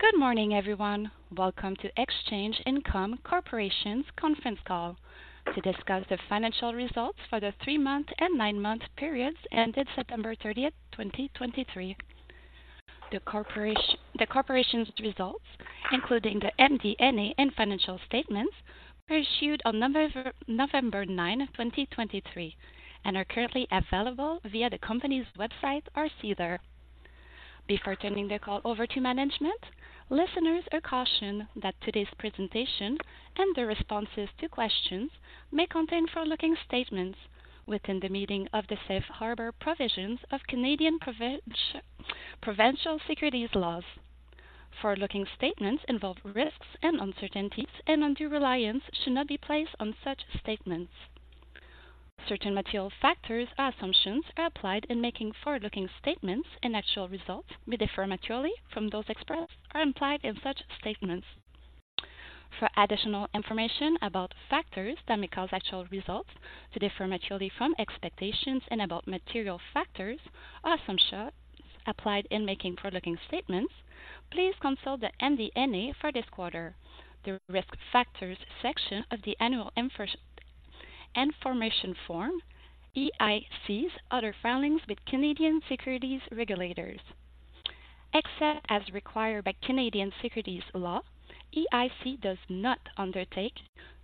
Good morning, everyone. Welcome to Exchange Income Corporation's Conference Call to discuss the financial results for the three-month and nine-month periods ended September 30, 2023. The corporation's results, including the MD&A and financial statements, were issued on November 9, 2023, and are currently available via the company's website, SEDAR. Before turning the call over to management, listeners are cautioned that today's presentation and the responses to questions may contain forward-looking statements within the meaning of the safe harbor provisions of Canadian provincial securities laws. Forward-looking statements involve risks and uncertainties, and undue reliance should not be placed on such statements. Certain material factors or assumptions are applied in making forward-looking statements, and actual results may differ materially from those expressed or implied in such statements. For additional information about factors that may cause actual results to differ materially from expectations and about material factors or assumptions applied in making forward-looking statements, please consult the MD&A for this quarter, the Risk Factors section of the Annual Information Form, EIC's other filings with Canadian securities regulators. Except as required by Canadian securities law, EIC does not undertake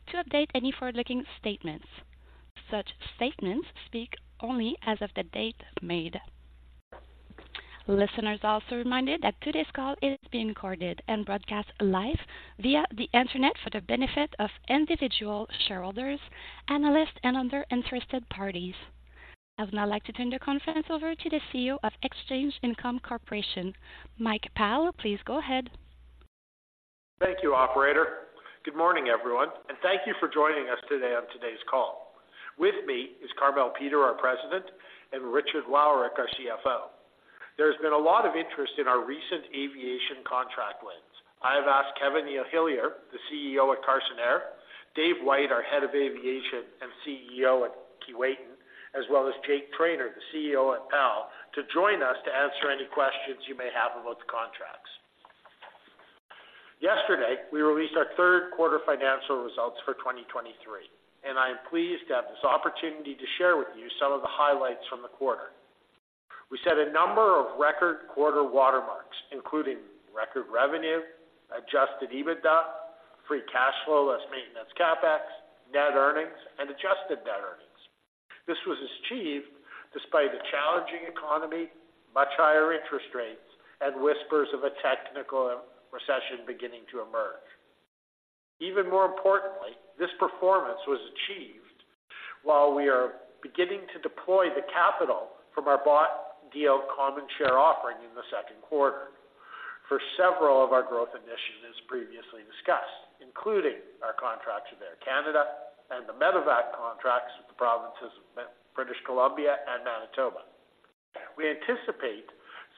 to update any forward-looking statements. Such statements speak only as of the date made. Listeners are also reminded that today's call is being recorded and broadcast live via the Internet for the benefit of individual shareholders, analysts, and other interested parties. I would now like to turn the conference over to the CEO of Exchange Income Corporation, Mike Pyle. Please go ahead. Thank you, operator. Good morning, everyone, and thank you for joining us today on today's call. With me is Carmele Peter, our President, and Richard Wowryk, our CFO. There's been a lot of interest in our recent aviation contract wins. I have asked Kevin Hillier, the CEO at Carson Air, Dave White, our Head of Aviation and CEO at Keewatin Air, as well as Jake Trainor, the CEO at PAL, to join us to answer any questions you may have about the contracts. Yesterday, we released our Q3 financial results for 2023, and I am pleased to have this opportunity to share with you some of the highlights from the quarter. We set a number of record quarter watermarks, including record revenue, Adjusted EBITDA, Free Cash Flow Less Maintenance CapEx, net earnings and adjusted net earnings. This was achieved despite a challenging economy, much higher interest rates, and whispers of a technical recession beginning to emerge. Even more importantly, this performance was achieved while we are beginning to deploy the capital from our bought deal common share offering in the Q2 for several of our growth initiatives previously discussed, including our contracts with Air Canada and the medevac contracts with the provinces of British Columbia and Manitoba. We anticipate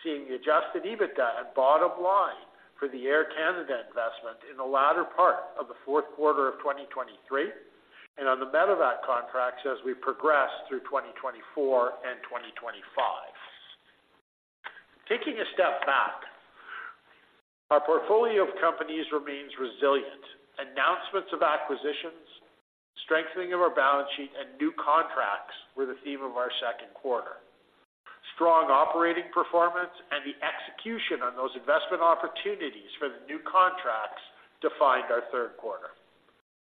seeing the Adjusted EBITDA and bottom line for the Air Canada investment in the latter part of the Q4 of 2023, and on the medevac contracts as we progress through 2024 and 2025. Taking a step back, our portfolio of companies remains resilient. Announcements of acquisitions, strengthening of our balance sheet, and new contracts were the theme of our Q2. Strong operating performance and the execution on those investment opportunities for the new contracts defined our Q3.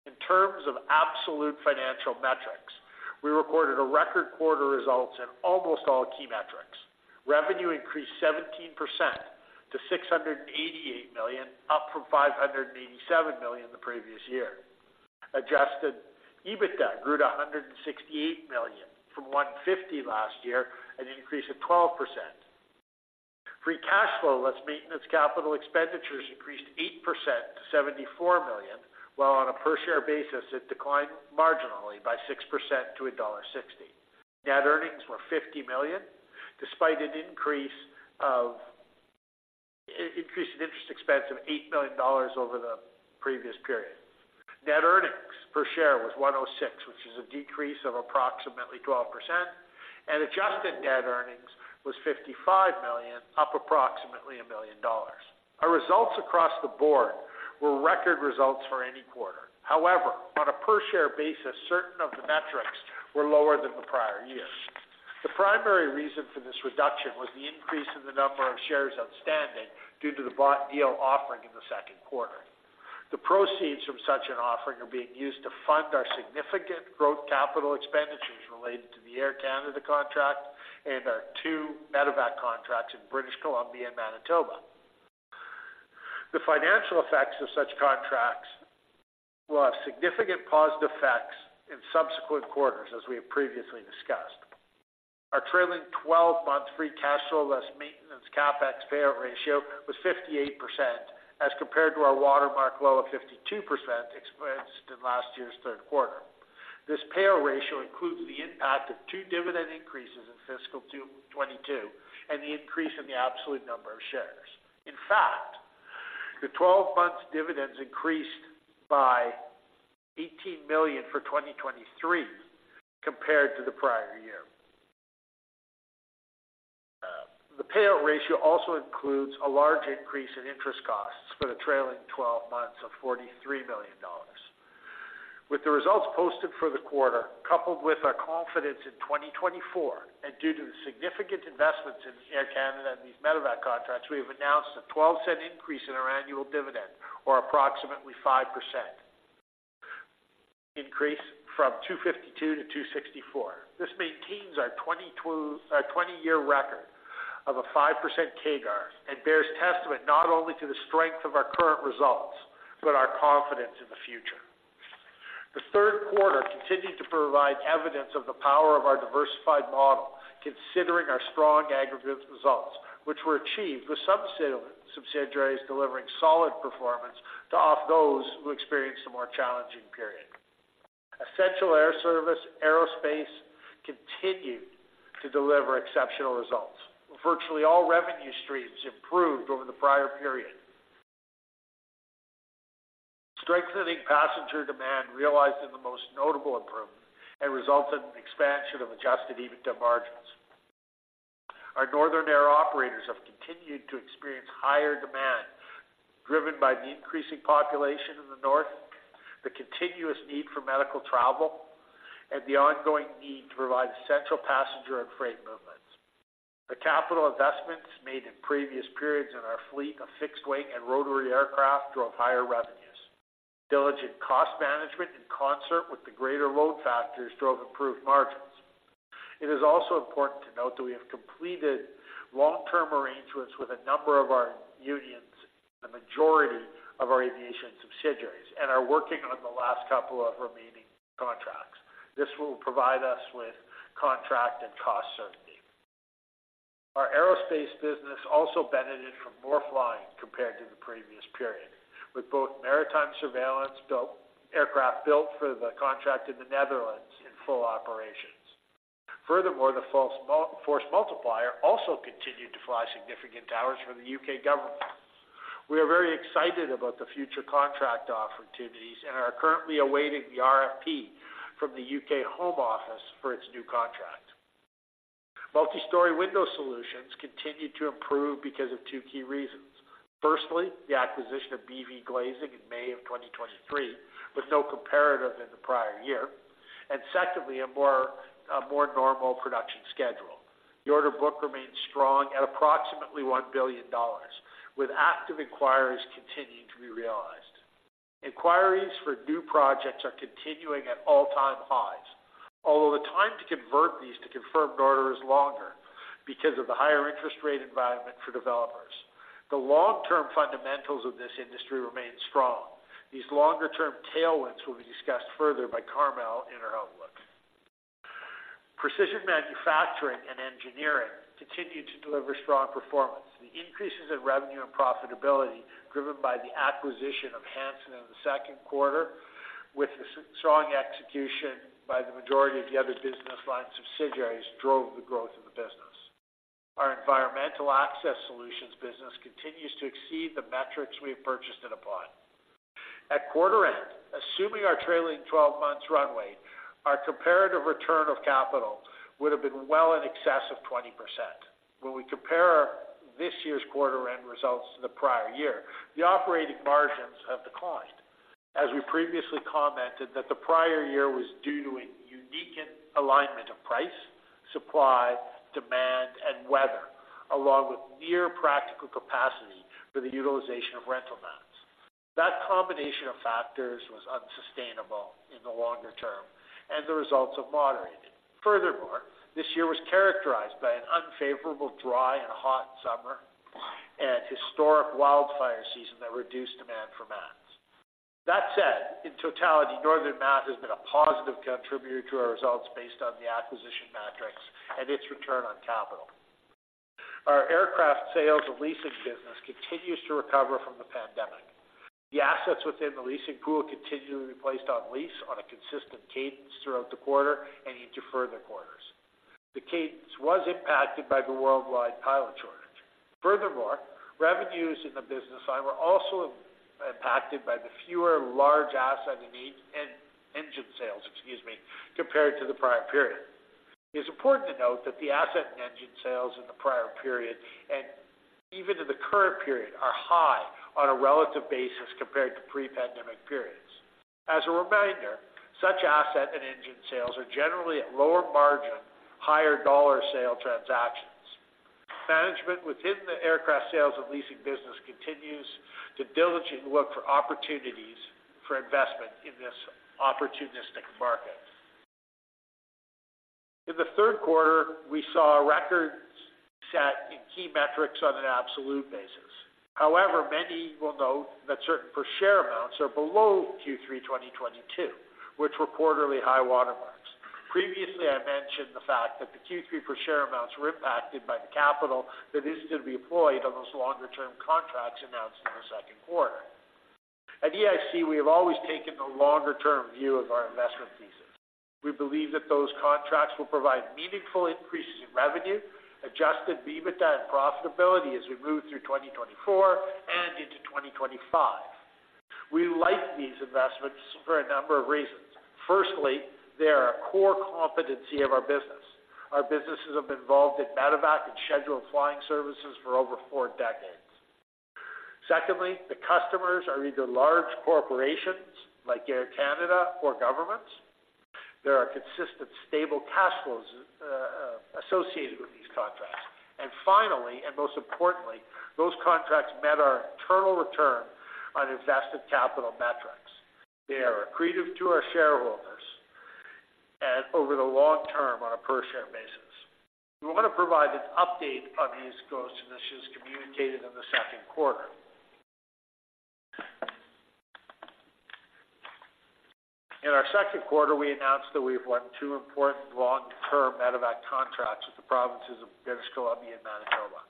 In terms of absolute financial metrics, we recorded a record quarter results in almost all key metrics. Revenue increased 17% to 688 million, up from 587 million the previous year. Adjusted EBITDA grew to 168 million from 150 million last year, an increase of 12%. Free cash flow, less maintenance capital expenditures, increased 8% to 74 million, while on a per share basis, it declined marginally by 6% to dollar 1.60. Net earnings were 50 million, despite an increase in interest expense of 8 million dollars over the previous period. Net earnings per share was 1.06, which is a decrease of approximately 12%, and adjusted net earnings was 55 million, up approximately 1 million dollars. Our results across the board were record results for any quarter. However, on a per share basis, certain of the metrics were lower than the prior year. The primary reason for this reduction was the increase in the number of shares outstanding due to the bought deal offering in the Q2. The proceeds from such an offering are being used to fund our significant growth capital expenditures related to the Air Canada contract and our 2 medevac contracts in British Columbia and Manitoba. The financial effects of such contracts will have significant positive effects in subsequent quarters, as we have previously discussed. Our trailing twelve-month free cash flow, less maintenance CapEx payout ratio was 58%, as compared to our watermark low of 52% experienced in last year's Q3. This payout ratio includes the impact of two dividend increases in fiscal 2022 and the increase in the absolute number of shares. In fact, the 12 months dividends increased by 18 million for 2023 compared to the prior year.... The payout ratio also includes a large increase in interest costs for the trailing 12 months of 43 million dollars. With the results posted for the quarter, coupled with our confidence in 2024, and due to the significant investments in the Air Canada and these medevac contracts, we have announced a 0.12 increase in our annual dividend, or approximately 5%. Increase from 2.52 to 2.64. This maintains our 20-year record of a 5% CAGR, and bears testament not only to the strength of our current results, but our confidence in the future. The Q3 continued to provide evidence of the power of our diversified model, considering our strong aggregate results, which were achieved with some subsidiaries delivering solid performance to offset those who experienced a more challenging period. Essential air services, aerospace continued to deliver exceptional results. Virtually all revenue streams improved over the prior period. Strengthening passenger demand realized the most notable improvement and resulted in expansion of Adjusted EBITDA margins. Our northern air operators have continued to experience higher demand, driven by the increasing population in the north, the continuous need for medical travel, and the ongoing need to provide essential passenger and freight movements. The capital investments made in previous periods in our fleet of fixed wing and rotary aircraft drove higher revenues. Diligent cost management in concert with the greater load factors drove improved margins. It is also important to note that we have completed long-term arrangements with a number of our unions and the majority of our aviation subsidiaries, and are working on the last couple of remaining contracts. This will provide us with contract and cost certainty. Our aerospace business also benefited from more flying compared to the previous period, with both maritime surveillance aircraft built for the contract in the Netherlands in full operations. Furthermore, the Force Multiplier also continued to fly significant hours for the UK government. We are very excited about the future contract opportunities and are currently awaiting the RFP from the UK Home Office for its new contract. Multi-story window solutions continued to improve because of two key reasons. Firstly, the acquisition of BVGlazing in May 2023, with no comparative in the prior year. Secondly, a more normal production schedule. The order book remains strong at approximately 1 billion dollars, with active inquiries continuing to be realized. Inquiries for new projects are continuing at all-time highs, although the time to convert these to confirmed orders is longer because of the higher interest rate environment for developers. The long-term fundamentals of this industry remain strong. These longer-term tailwinds will be discussed further by Carmele in her outlook. Precision manufacturing and engineering continued to deliver strong performance. The increases in revenue and profitability driven by the acquisition of Hansen in the Q2, with strong execution by the majority of the other business line subsidiaries, drove the growth of the business. Our Environmental Access Solutions business continues to exceed the metrics we have purchased it upon. At quarter end, assuming our trailing twelve months runway, our comparative return of capital would have been well in excess of 20%. When we compare this year's quarter end results to the prior year, the operating margins have declined. As we previously commented, that the prior year was due to a unique alignment of price, supply, demand, and weather, along with near practical capacity for the utilization of rental mats. That combination of factors was unsustainable in the longer term, and the results have moderated. Furthermore, this year was characterized by an unfavorable dry and hot summer and historic wildfire season that reduced demand for mats. That said, in totality, Northern Mat has been a positive contributor to our results based on the acquisition metrics and its return on capital. Our aircraft sales and leasing business continues to recover from the pandemic. The assets within the leasing pool continue to be placed on lease on a consistent cadence throughout the quarter and into further quarters. The cadence was impacted by the worldwide pilot shortage. Furthermore, revenues in the business line were also impacted by the fewer large asset and engine sales, excuse me, compared to the prior period. It's important to note that the asset and engine sales in the prior period, and even in the current period, are high on a relative basis compared to pre-pandemic periods. As a reminder, such asset and engine sales are generally at lower margin, higher dollar sale transactions. Management within the aircraft sales and leasing business continues to diligently look for opportunities for investment in this opportunistic market. In the Q3, we saw a record set in key metrics on an absolute basis. However, many will note that certain per share amounts are below Q3 2022, which were quarterly high water marks. Previously, I mentioned the fact that the Q3 per share amounts were impacted by the capital that is to be deployed on those longer-term contracts announced in the Q2. At EIC, we have always taken the longer-term view of our investment thesis. We believe that those contracts will provide meaningful increases in revenue, Adjusted EBITDA and profitability as we move through 2024 and into 2025. We like these investments for a number of reasons. Firstly, they are a core competency of our business. Our businesses have been involved in medevac and scheduled flying services for over four decades. Secondly, the customers are either large corporations like Air Canada or governments. There are consistent, stable cash flows associated with these contracts. And finally, and most importantly, those contracts met our internal return on invested capital metrics. They are accretive to our shareholders, and over the long term, on a per share basis. We want to provide an update on these goals, and this is communicated in the Q2. In our Q2, we announced that we've won two important long-term medevac contracts with the provinces of British Columbia and Manitoba.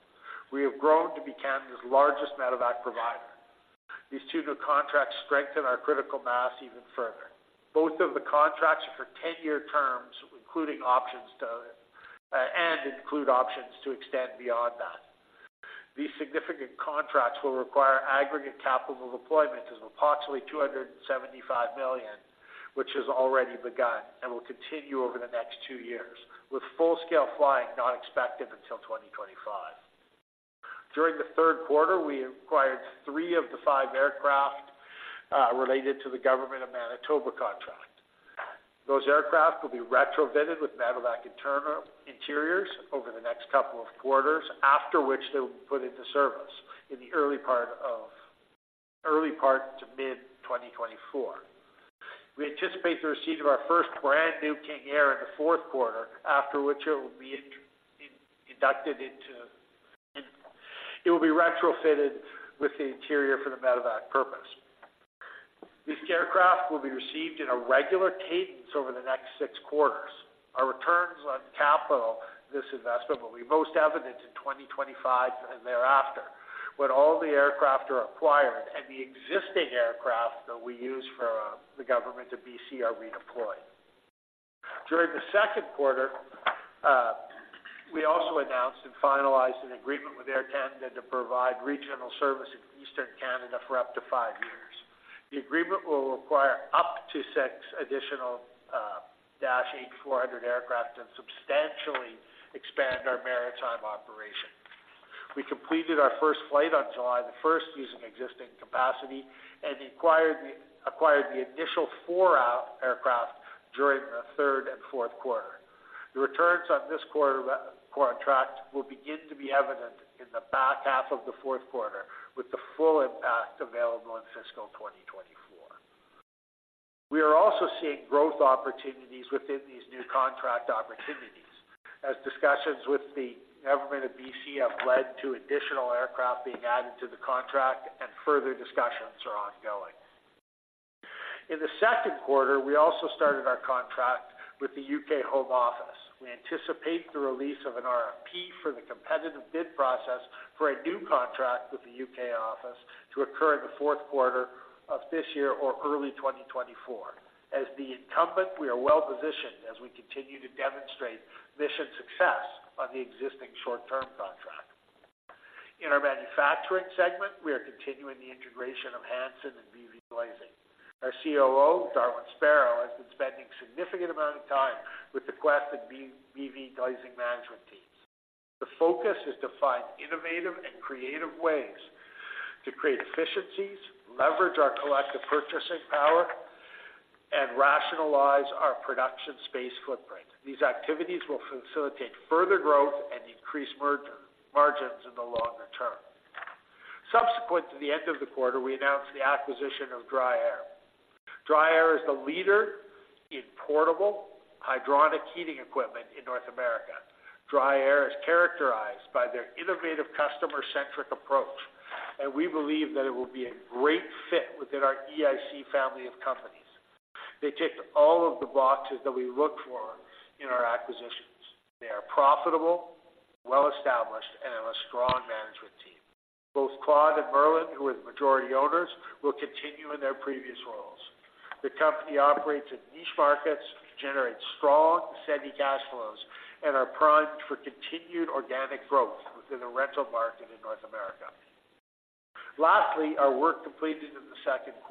We have grown to be Canada's largest medevac provider. These two new contracts strengthen our critical mass even further. Both of the contracts are for 10-year terms, including options to, and include options to extend beyond that. These significant contracts will require aggregate capital deployment of approximately 275 million, which has already begun and will continue over the next two years, with full-scale flying not expected until 2025. During the Q3, we acquired 3 of the 5 aircraft related to the Government of Manitoba contract. Those aircraft will be retrofitted with medevac interiors over the next couple of quarters, after which they will be put into service in the early part to mid-2024. We anticipate the receipt of our first brand new King Air in the Q4, after which it will be retrofitted with the interior for the medevac purpose. These aircraft will be received in a regular cadence over the next six quarters. Our returns on capital, this investment, will be most evident in 2025 and thereafter, when all the aircraft are acquired and the existing aircraft that we use for the government of BC are redeployed. During the Q2, we also announced and finalized an agreement with Air Canada to provide regional service in eastern Canada for up to 5 years. The agreement will require up to 6 additional Dash 8-400 aircraft and substantially expand our maritime operation. We completed our first flight on July 1, using existing capacity and acquired the initial 4 aircraft during the third and Q4. The returns on this quarter contract will begin to be evident in the back half of the Q4, with the full impact available in fiscal 2024. We are also seeing growth opportunities within these new contract opportunities, as discussions with the government of BC have led to additional aircraft being added to the contract and further discussions are ongoing. In the Q2, we also started our contract with the UK Home Office. We anticipate the release of an RFP for the competitive bid process for a new contract with the UK office to occur in the Q4 of this year or early 2024. As the incumbent, we are well positioned as we continue to demonstrate mission success on the existing short-term contract. In our manufacturing segment, we are continuing the integration of Hansen and BVGlazing. Our COO, Darwin Sparrow, has been spending significant amount of time with the Quest and BVGlazing management teams. The focus is to find innovative and creative ways to create efficiencies, leverage our collective purchasing power, and rationalize our production space footprint. These activities will facilitate further growth and increase margins in the longer term. Subsequent to the end of the quarter, we announced the acquisition DryAir is the leader in portable hydronic heating equipment in North DryAir is characterized by their innovative, customer-centric approach, and we believe that it will be a great fit within our EIC family of companies. They ticked all of the boxes that we look for in our acquisitions. They are profitable, well-established, and have a strong management team. Both Claude and Marlin, who are the majority owners, will continue in their previous roles. The company operates in niche markets, generates strong, steady cash flows, and are primed for continued organic growth within the rental market in North America. Lastly, our work completed in the Q2,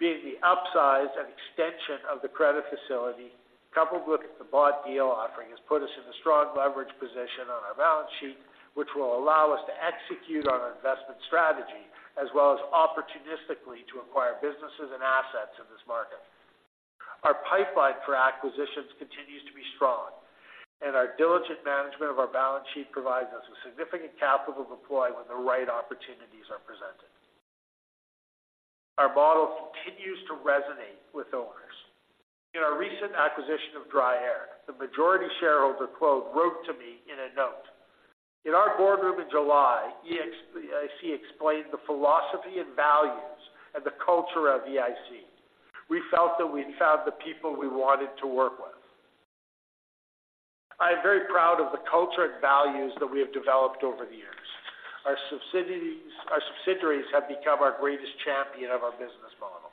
being the upsize and extension of the credit facility, coupled with the bought deal offering, has put us in a strong leverage position on our balance sheet, which will allow us to execute on our investment strategy as well as opportunistically to acquire businesses and assets in this market. Our pipeline for acquisitions continues to be strong, and our diligent management of our balance sheet provides us with significant capital to deploy when the right opportunities are presented. Our model continues to resonate with owners. In our recent acquisition DryAir, the majority shareholder, Claude, wrote to me in a note: "In our boardroom in July, EIC explained the philosophy and values and the culture of EIC. We felt that we'd found the people we wanted to work with." I am very proud of the culture and values that we have developed over the years. Our subsidiaries have become our greatest champion of our business model.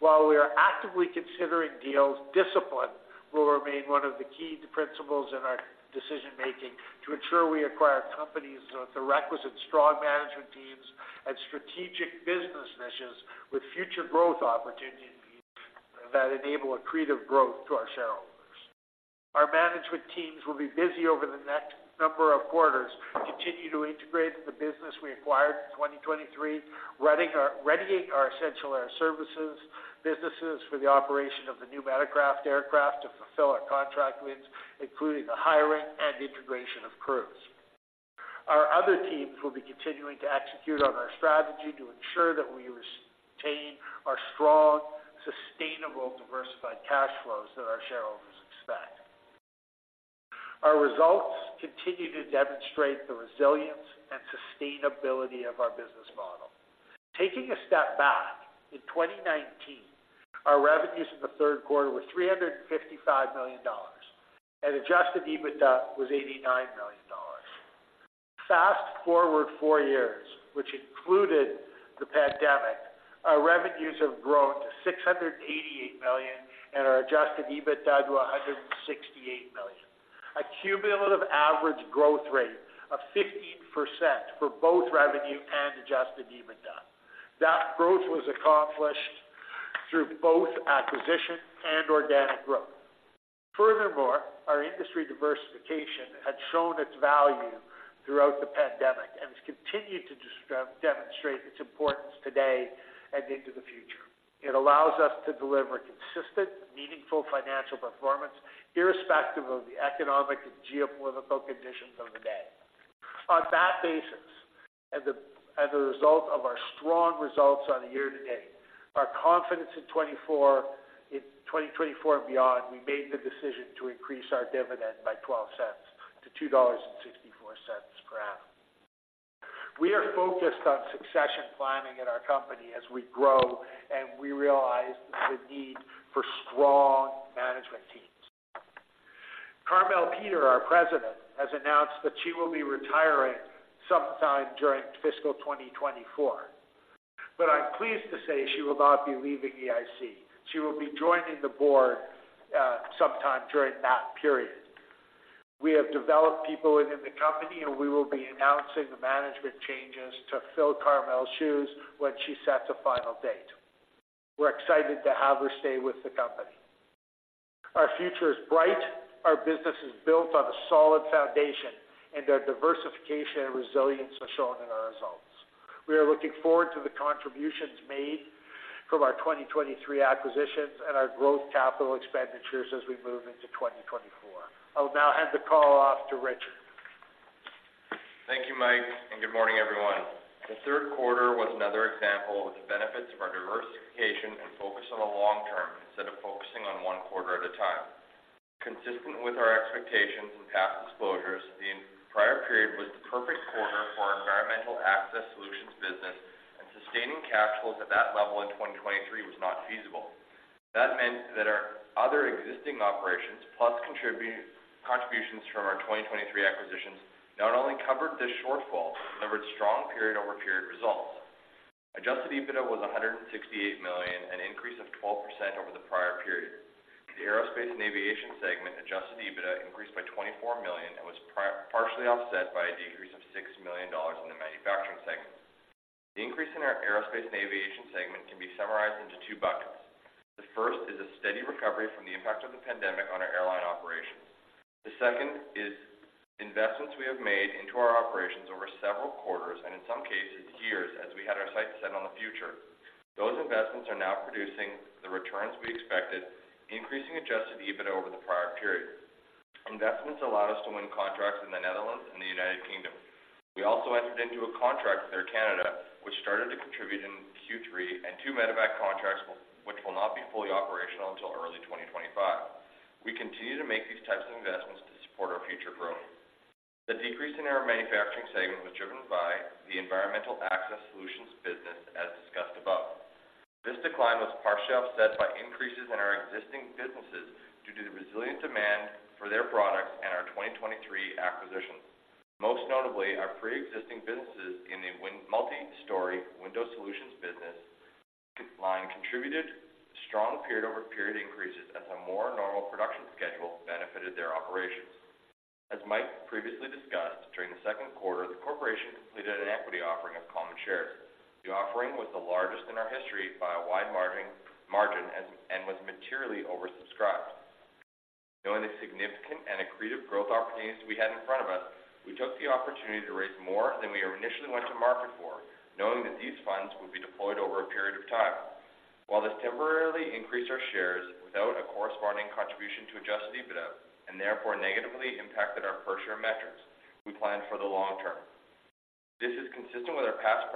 While we are actively considering deals, discipline will remain one of the key principles in our decision-making to ensure we acquire companies with the requisite strong management teams and strategic business missions, with future growth opportunities that enable accretive growth to our shareholders. Our management teams will be busy over the next number of quarters, continuing to integrate the business we acquired in 2023, readying our Essential Air Services businesses for the operation of the new medevac aircraft to fulfill our contract wins, including the hiring and integration of crews. Our other teams will be continuing to execute on our strategy to ensure that we retain our strong, sustainable, diversified cash flows that our shareholders expect. Our results continue to demonstrate the resilience and sustainability of our business model. Taking a step back, in 2019, our revenues in the Q3 were 355 million dollars, and Adjusted EBITDA was 89 million dollars. Fast forward four years, which included the pandemic, our revenues have grown to 688 million, and our Adjusted EBITDA to 168 million. A cumulative average growth rate of 15% for both revenue and Adjusted EBITDA. That growth was accomplished through both acquisition and organic growth. Furthermore, our industry diversification had shown its value throughout the pandemic and has continued to demonstrate its importance today and into the future. It allows us to deliver consistent, meaningful financial performance, irrespective of the economic and geopolitical conditions of the day. On that basis, as a result of our strong results on the year-to-date, our confidence in 2024 and beyond, we made the decision to increase our dividend by 0.12 to 2.64 dollars per annum. We are focused on succession planning in our company as we grow, and we realize the need for strong management teams. Carmele Peter, our President, has announced that she will be retiring sometime during fiscal 2024, but I'm pleased to say she will not be leaving EIC. She will be joining the board sometime during that period. We have developed people within the company, and we will be announcing the management changes to fill Carmele's shoes when she sets a final date. We're excited to have her stay with the company. Our future is bright. Our business is built on a solid foundation, and our diversification and resilience are shown in our results. We are looking forward to the contributions made from our 2023 acquisitions and our growth capital expenditures as we move into 2024. I'll now hand the call off to Richard. Thank you, Mike, and good morning, everyone. The Q3 was another example of the benefits of our diversification and focus on the long term instead of focusing on one quarter at a time. Consistent with our expectations and past disclosures, the prior period was the perfect quarter for our Environmental Access Solutions business, and sustaining cash flows at that level in 2023 was not feasible. That meant that our other existing operations, plus contributions from our 2023 acquisitions, not only covered this shortfall, but delivered strong period-over-period results. Adjusted EBITDA was 168 million, an increase of 12% over the prior period. The Aerospace and Aviation segment adjusted EBITDA increased by 24 million and was partially offset by a decrease of 6 million dollars in the Manufacturing segment. The increase in our Aerospace and Aviation segment can be summarized into two buckets. The first is a steady recovery from the impact of the pandemic on our airline operations. The second is investments we have made into our operations over several quarters, and in some cases, years, as we had our sights set on the future. Those investments are now producing the returns we expected, increasing Adjusted EBITDA over the prior period. Investments allowed us to win contracts in the Netherlands and the United Kingdom. We also entered into a contract with Air Canada, which started to contribute in Q3, and two medevac contracts, which will not be fully operational until early 2025. We continue to make these types of investments to support our future growth. The decrease in our Manufacturing segment was driven by the Environmental Access Solutions business, as discussed above. This decline was partially offset by increases in our existing businesses due to the resilient demand for their products and our 2023 acquisitions. Most notably, our pre-existing businesses in the window multistory window solutions business line contributed strong period-over-period increases as a more normal production schedule benefited their operations. As Mike previously discussed, during the Q2, the corporation completed an equity offering of common shares. The offering was the largest in our history by a wide margin, and was materially oversubscribed. Knowing the significant and accretive growth opportunities we had in front of us, we took the opportunity to raise more than we initially went to market for, knowing that these funds would be deployed over a period of time. While this temporarily increased our shares without a corresponding contribution to Adjusted EBITDA, and therefore negatively impacted our per-share metrics, we planned for the long term. This is consistent with our past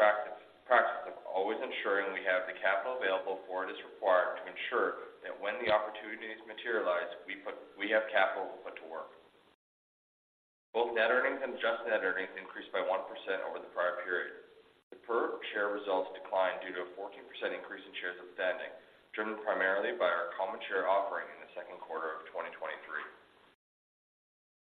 practice of always ensuring we have the capital available for it is required to ensure that when the opportunities materialize, we put... We have capital put to work. Both net earnings and adjusted net earnings increased by 1% over the prior period. The per-share results declined due to a 14% increase in shares outstanding, driven primarily by our common share offering in the Q2 of 2023.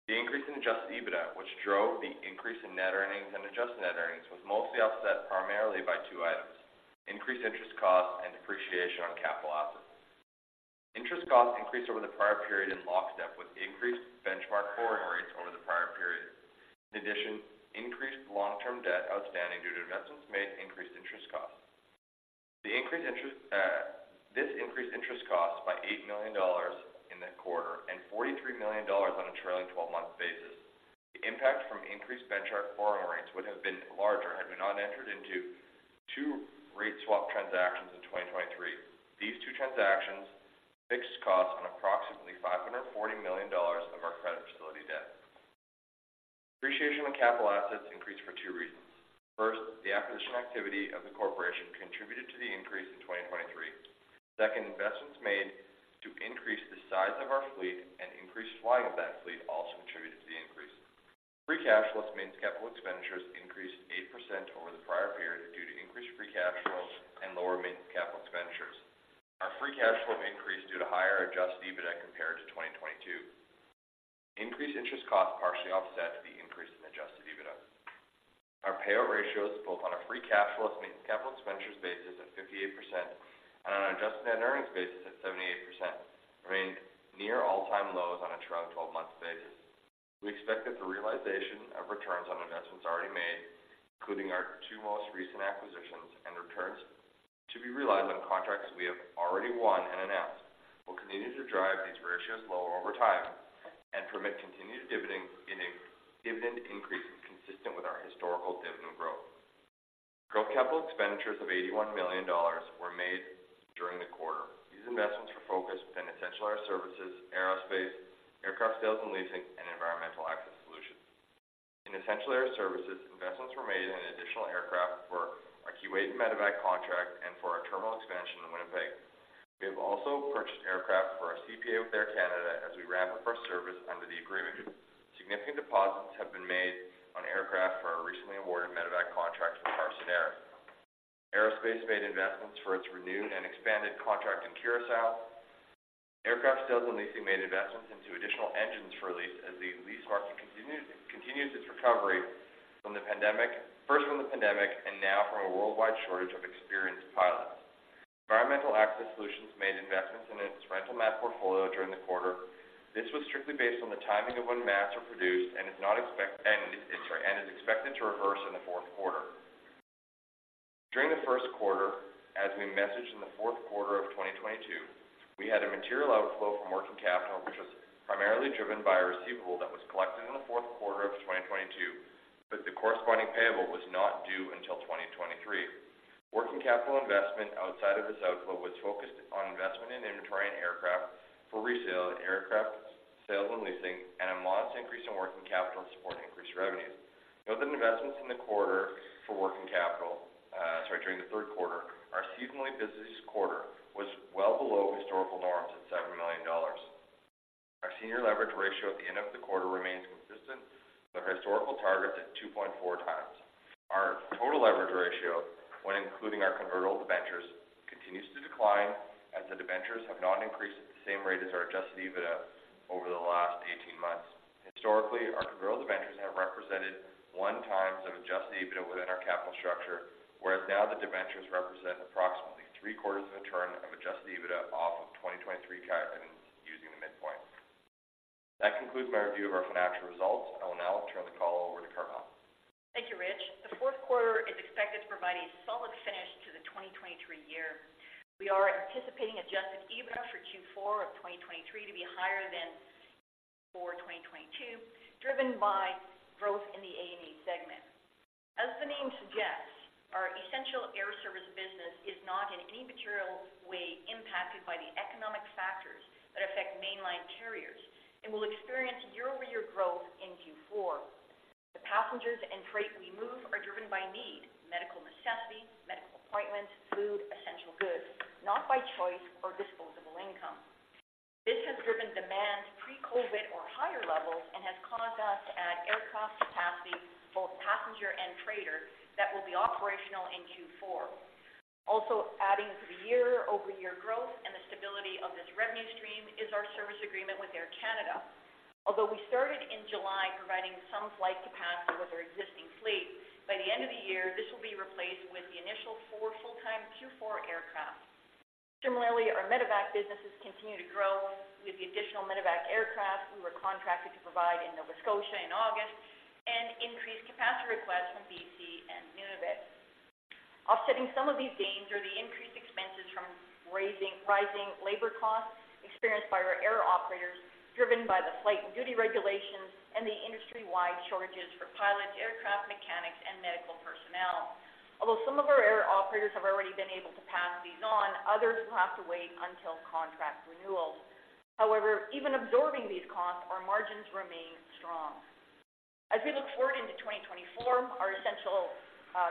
Adjusted EBITDA, which drove the increase in net earnings and adjusted net earnings, was mostly offset primarily by two items: increased interest costs and depreciation on capital assets. Interest costs increased over the prior period in lockstep with increased benchmark borrowing rates over the prior period. In addition, increased long-term debt outstanding due to investments made increased interest costs. The increased interest, this increased interest costs by 8 million dollars in the quarter and 43 million dollars on a trailing 12-month basis. The impact from increased benchmark borrowing rates would have been larger had we not entered into 2 rate swap transactions in 2023. These 2 transactions fixed costs on approximately 540 million dollars of our credit facility debt. Depreciation on capital assets increased for 2 reasons. First, the acquisition activity of the corporation contributed to the increase in 2023. Second, investments made to increase the size of our fleet and increase flying of that fleet also contributed to the increase. Free cash plus maintenance capital expenditures increased 8% over the prior period due to increased free cash flow and lower maintenance capital expenditures. Our free cash flow increased due to higher Adjusted EBITDA compared to 2022. Increased interest costs partially offset the increase in Adjusted EBITDA. Our payout ratios, both on a free cash flow less maintenance capital expenditures basis of 58% and on an adjusted net earnings basis at 78%, remained near all-time lows on a trailing 12-month basis. We expect that the realization of returns on investments already made, including our 2 most recent acquisitions and returns to be realized on contracts we have already won and announced, will continue to drive these ratios lower over time and permit continued dividend increases consistent with our historical dividend growth. Growth capital expenditures of 81 million dollars were made during the quarter. These investments were focused within essential air services, aerospace, aircraft sales and leasing, and environmental access solutions. In essential air services, investments were made in additional aircraft for our Kuwait medevac contract and for our terminal expansion in Winnipeg. We have also purchased aircraft for our CPA with Air Canada as we ramp up our service under the agreement. Significant deposits have been made on aircraft for our recently awarded medevac contract with Carson Air. Aerospace made investments for its renewed and expanded contract in Curaçao. Aircraft sales and leasing made investments into additional engines for lease as the lease market continues its recovery from the pandemic—first from the pandemic and now from a worldwide shortage of experienced pilots. Environmental Access Solutions made investments in its rental mat portfolio during the quarter. This was strictly based on the timing of when mats are produced and is expected to reverse in the Q4. During the Q1, as we messaged in the Q4 of 2022, we had a material outflow from working capital, which was primarily driven by a receivable that was collected in the Q4 of 2022, but the corresponding payable was not due until 2023. Working capital investment outside of this outflow was focused on investment in inventory and aircraft for resale in aircraft sales and leasing, and a modest increase in working capital to support increased revenues. Note that investments in the quarter for working capital, during the Q3, our seasonally busiest quarter, was well below historical norms at 7 million dollars. Our senior leverage ratio at the end of the quarter remains consistent with our historical targets at 2.4 times. Our total leverage ratio, when including our convertible debentures, continues to decline as the debentures have not increased at the same rate as our adjusted EBITDA over the last 18 months. Historically, our convertible debentures have represented 1x of adjusted EBITDA within our capital structure, whereas now the debentures represent approximately 3/4 of a turn of adjusted EBITDA off of 2023 guidance using the midpoint. That concludes my review of our financial results. I will now turn the call over to Carmele. Thank you, Rich. The Q4 is expected to provide a solid finish to the 2023 year. We are anticipating Adjusted EBITDA for Q4 of 2023 to be higher than for 2022, driven by growth in the AME segment. As the name suggests, our essential air service business is not in any material way impacted by the economic factors that affect mainline carriers and will experience year-over-year growth in Q4. The passengers and freight we move are driven by need, medical necessity, medical appointments, food, essential goods, not by choice or disposable income. This has driven demand to pre-COVID or higher levels and has caused us to add aircraft capacity, both passenger and freighter, that will be operational in Q4. Also adding to the year-over-year growth and the stability of this revenue stream is our service agreement with Air Canada. Although we started in July providing some flight capacity with their existing fleet, by the end of the year, this will be replaced with the initial 4 full-time Q4 aircraft. Similarly, our medevac businesses continue to grow with the additional medevac aircraft we were contracted to provide in Nova Scotia in August and increased capacity requests from BC and Nunavut. Offsetting some of these gains are the increased expenses from rising labor costs experienced by our air operators, driven by the flight and duty regulations and the industry-wide shortages for pilots, aircraft mechanics, and medical personnel. Although some of our air operators have already been able to pass these on, others will have to wait until contract renewals. However, even absorbing these costs, our margins remain strong. As we look forward into 2024, our essential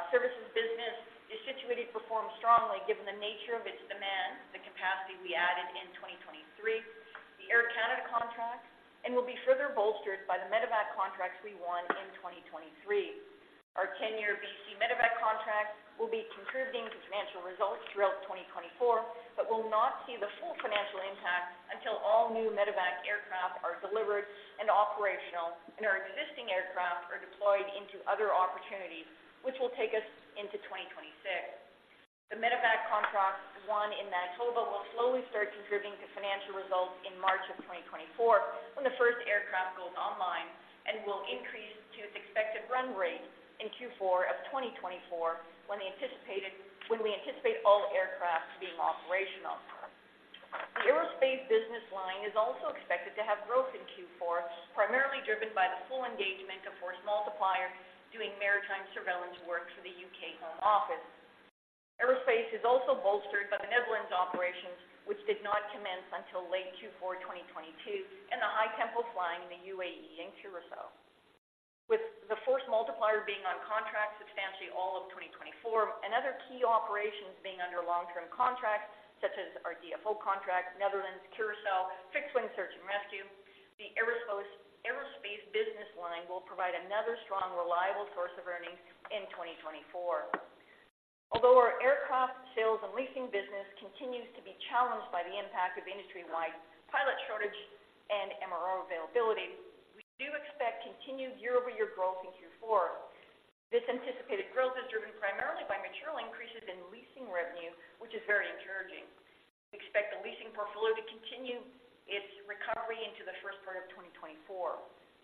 services business is situated to perform strongly given the nature of its demand, the capacity we added in 2023, the Air Canada contract, and will be further bolstered by the medevac contracts we won in 2023. Our 10-year BC medevac contract will be contributing to financial results throughout 2024, but will not see the full financial impact until all new medevac aircraft are delivered and operational, and our existing aircraft are deployed into other opportunities, which will take us into 2026. The medevac contract won in Manitoba will slowly start contributing to financial results in March of 2024, when the first aircraft goes online and will increase to its expected run rate in Q4 of 2024, when we anticipate all aircraft being operational. The aerospace business line is also expected to have growth in Q4, primarily driven by the full engagement of Force Multiplier, doing maritime surveillance work for the U.K. Home Office. Aerospace is also bolstered by the Netherlands operations, which did not commence until late Q4 2022, and the high tempo flying in the UAE and Curaçao. With the Force Multiplier being on contract substantially all of 2024, and other key operations being under long-term contracts, such as our DFO contract, Netherlands, Curaçao, fixed-wing search and rescue, the Aerospace, Aerospace business line will provide another strong, reliable source of earnings in 2024. Although our aircraft sales and leasing business continues to be challenged by the impact of industry-wide pilot shortage and MRO availability, we do expect continued year-over-year growth in Q4. This anticipated growth is driven primarily by material increases in leasing revenue, which is very encouraging. We expect the leasing portfolio to continue its recovery into the first part of 2024.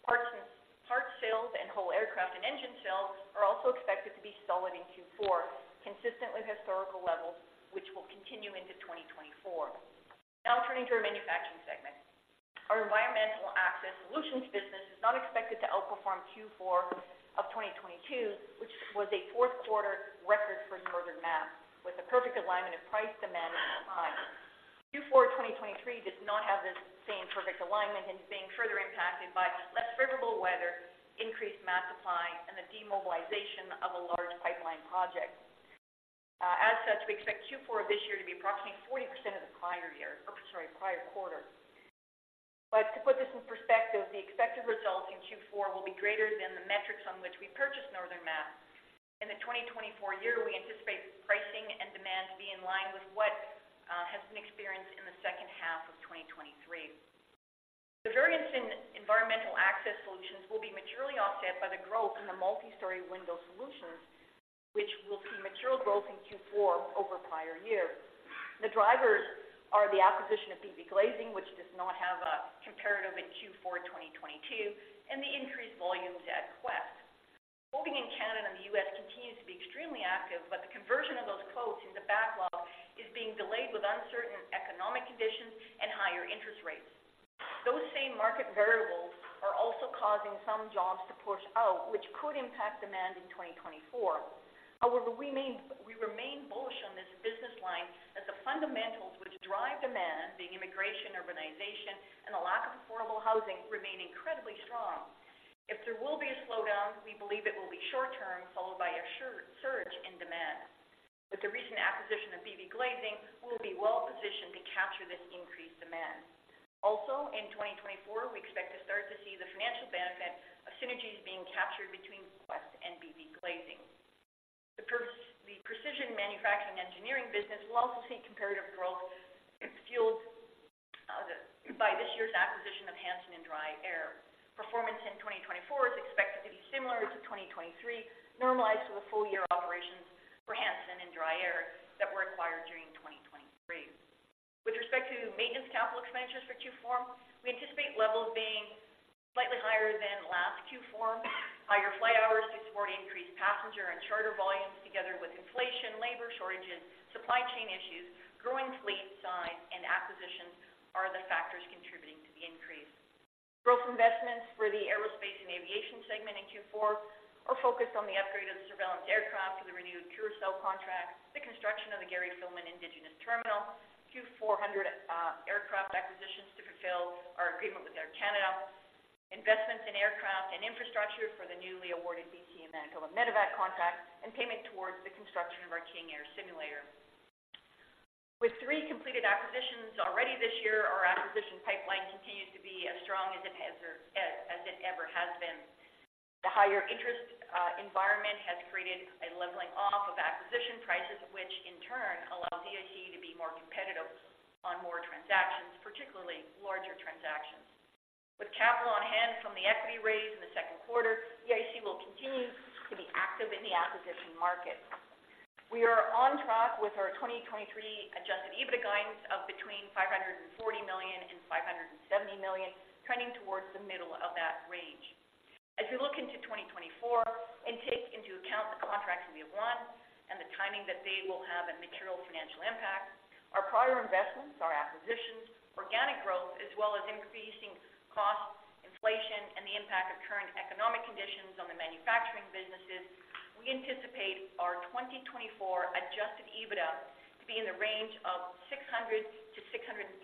Parts sales and whole aircraft and engine sales are also expected to be solid in Q4, consistent with historical levels, which will continue into 2024. Now turning to our manufacturing segment. Our Environmental Access Solutions business is not expected to outperform Q4 of 2022, which was a Q4 record for Northern Mat, with a perfect alignment of price, demand, and timing. Q4 2023 does not have the same perfect alignment and is being further impacted by less favorable weather, increased mat supply, and the demobilization of a large pipeline project. As such, we expect Q4 of this year to be approximately 40% of the prior year, or sorry, prior quarter. But to put this in perspective, the expected results in Q4 will be greater than the metrics on which we purchased Northern Mat. In the 2024 year, we anticipate pricing and demand to be in line with what has been experienced in the second half of 2023. The variance in Environmental Access Solutions will be materially offset by the growth in the multi-story window solutions, which will see material growth in Q4 over prior years. The drivers are the acquisition of BVGlazing, which does not have a comparative in Q4 2022, and the increased volumes at Quest. Quoting in Canada and the U.S. continues to be extremely active, but the conversion of those quotes into backlog is being delayed with uncertain economic conditions and higher interest rates. Those same market variables are also causing some jobs to push out, which could impact demand in 2024. However, we remain bullish on this business line as the fundamentals which drive demand, being immigration, urbanization, and a lack of affordable housing, remain incredibly strong. If there will be a slowdown, we believe it will be short term, followed by a surge in demand. With the recent acquisition of BVGlazing, we will be well positioned to capture this increased demand. Also, in 2024, we expect to start to see the financial benefit of synergies being captured between Quest and BVGlazing. The Precision Manufacturing Engineering business will also see comparative growth, fueled by this year's acquisition of Hansen and DryAir. performance in 2024 is expected to be similar to 2023, normalized to a full year operations for Hansen and DryAir that were acquired during 2023. With respect to maintenance capital expenditures for Q4, we anticipate levels being slightly higher than last Q4. Higher flight hours to support increased passenger and charter volumes, together with inflation, labor shortages, supply chain issues, growing fleet size and acquisitions are the factors contributing to the increase. Growth investments for the aerospace and aviation segment in Q4 are focused on the upgrade of the surveillance aircraft for the renewed Curaçao contract, the construction of the Gary Filmon Indigenous Terminal, Q400 aircraft acquisitions to fulfill our agreement with Air Canada, investments in aircraft and infrastructure for the newly awarded BC and medical and medevac contract, and payment towards the construction of our King Air simulator. With three completed acquisitions already this year, our acquisition pipeline continues to be as strong as it ever has been. The higher interest environment has created a leveling off of acquisition prices, which in turn allows EIC to be more competitive on more transactions, particularly larger transactions. With capital on hand from the equity raise in the Q2, EIC will continue to be active in the acquisition market. We are on track with our 2023 Adjusted EBITDA guidance of between 540 million and 570 million, trending towards the middle of that range. As we look into 2024 and take into account the contracts we have won and the timing that they will have a material financial impact, our prior investments, our acquisitions, organic growth, as well as increasing costs, inflation, and the impact of current economic conditions on the manufacturing businesses, we anticipate our 2024 Adjusted EBITDA to be in the range of 600 to 635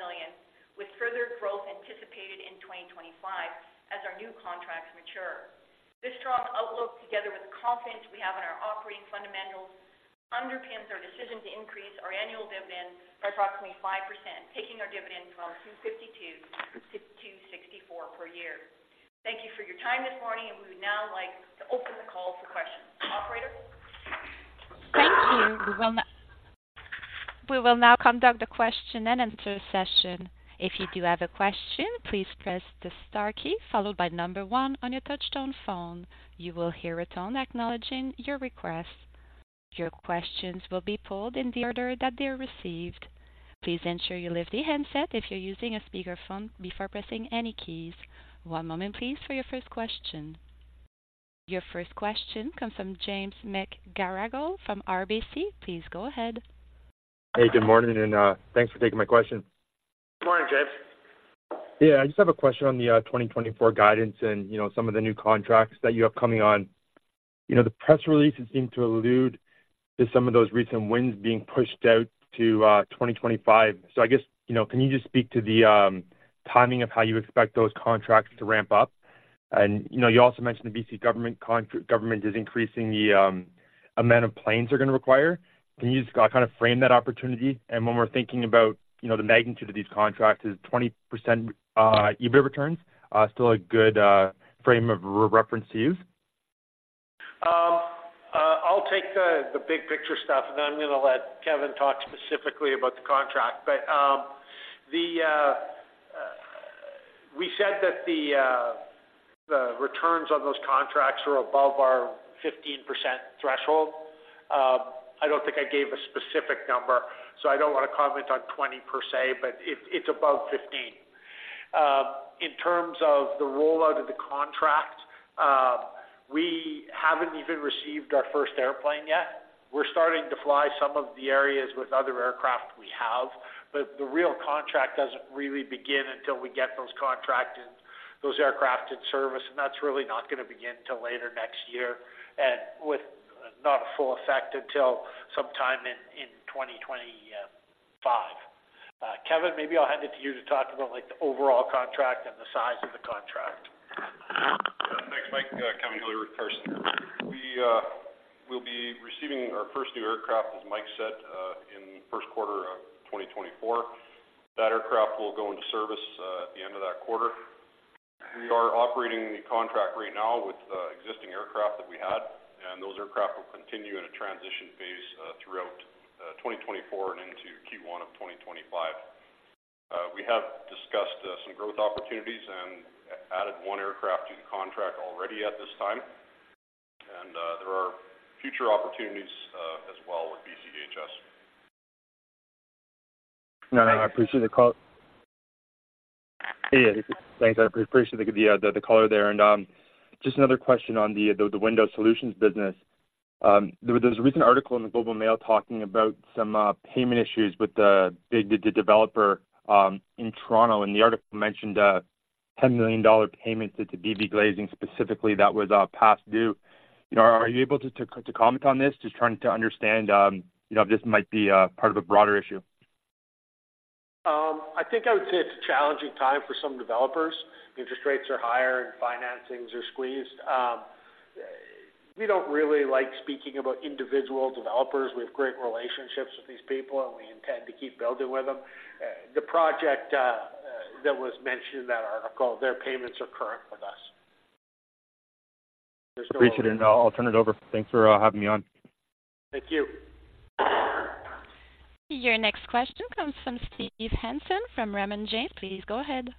million, with further growth anticipated in 2025 as our new contracts mature. This strong outlook, together with the confidence we have in our operating fundamentals,... underpins our decision to increase our annual dividend by approximately 5%, taking our dividend from 2.52 to 2.64 per year. Thank you for your time this morning, and we would now like to open the call for questions. Operator? Thank you. We will now conduct the question and answer session. If you do have a question, please press the star key followed by one on your touchtone phone. You will hear a tone acknowledging your request. Your questions will be pulled in the order that they are received. Please ensure you lift the handset if you're using a speakerphone before pressing any keys. One moment please, for your first question. Your first question comes from James McGarrigle from RBC. Please go ahead. Hey, good morning, and thanks for taking my question. Good morning, James. Yeah, I just have a question on the 2024 guidance and, you know, some of the new contracts that you have coming on. You know, the press release, it seemed to allude to some of those recent wins being pushed out to 2025. So I guess, you know, can you just speak to the timing of how you expect those contracts to ramp up? And, you know, you also mentioned the BC government government is increasing the amount of planes they're going to require. Can you just kind of frame that opportunity? And when we're thinking about, you know, the magnitude of these contracts, is 20% EBIT returns still a good frame of reference to use? I'll take the big picture stuff, and then I'm going to let Kevin talk specifically about the contract. But we said that the returns on those contracts are above our 15% threshold. I don't think I gave a specific number, so I don't want to comment on 20% per se, but it's above 15. In terms of the rollout of the contract, we haven't even received our first airplane yet. We're starting to fly some of the areas with other aircraft we have, but the real contract doesn't really begin until we get those contracts and those aircraft in service, and that's really not going to begin till later next year, and with not a full effect until sometime in 2025. Kevin, maybe I'll hand it to you to talk about, like, the overall contract and the size of the contract. Yeah. Thanks, Mike. Kevin Hillier with Carson Air. We, we'll be receiving our first new aircraft, as Mike said, in the Q1 of 2024. That aircraft will go into service at the end of that quarter. We are operating the contract right now with the existing aircraft that we had, and those aircraft will continue in a transition phase throughout 2024 and into Q1 of 2025. We have discussed some growth opportunities and added one aircraft to the contract already at this time, and there are future opportunities as well with BCEHS. No, I appreciate the call. Yeah, thanks. I appreciate the color there. And just another question on the window solutions business. There was a recent article in the Globe and Mail talking about some payment issues with the developer in Toronto, and the article mentioned a 10 million dollar payment to BVGlazing specifically, that was past due. You know, are you able to comment on this? Just trying to understand, you know, if this might be part of a broader issue. I think I would say it's a challenging time for some developers. Interest rates are higher and financings are squeezed. We don't really like speaking about individual developers. We have great relationships with these people, and we intend to keep building with them. The project that was mentioned in that article, their payments are current with us. Appreciate it, and I'll turn it over. Thanks for having me on. Thank you. Your next question comes from Steve Hansen, from Raymond James. Please go ahead.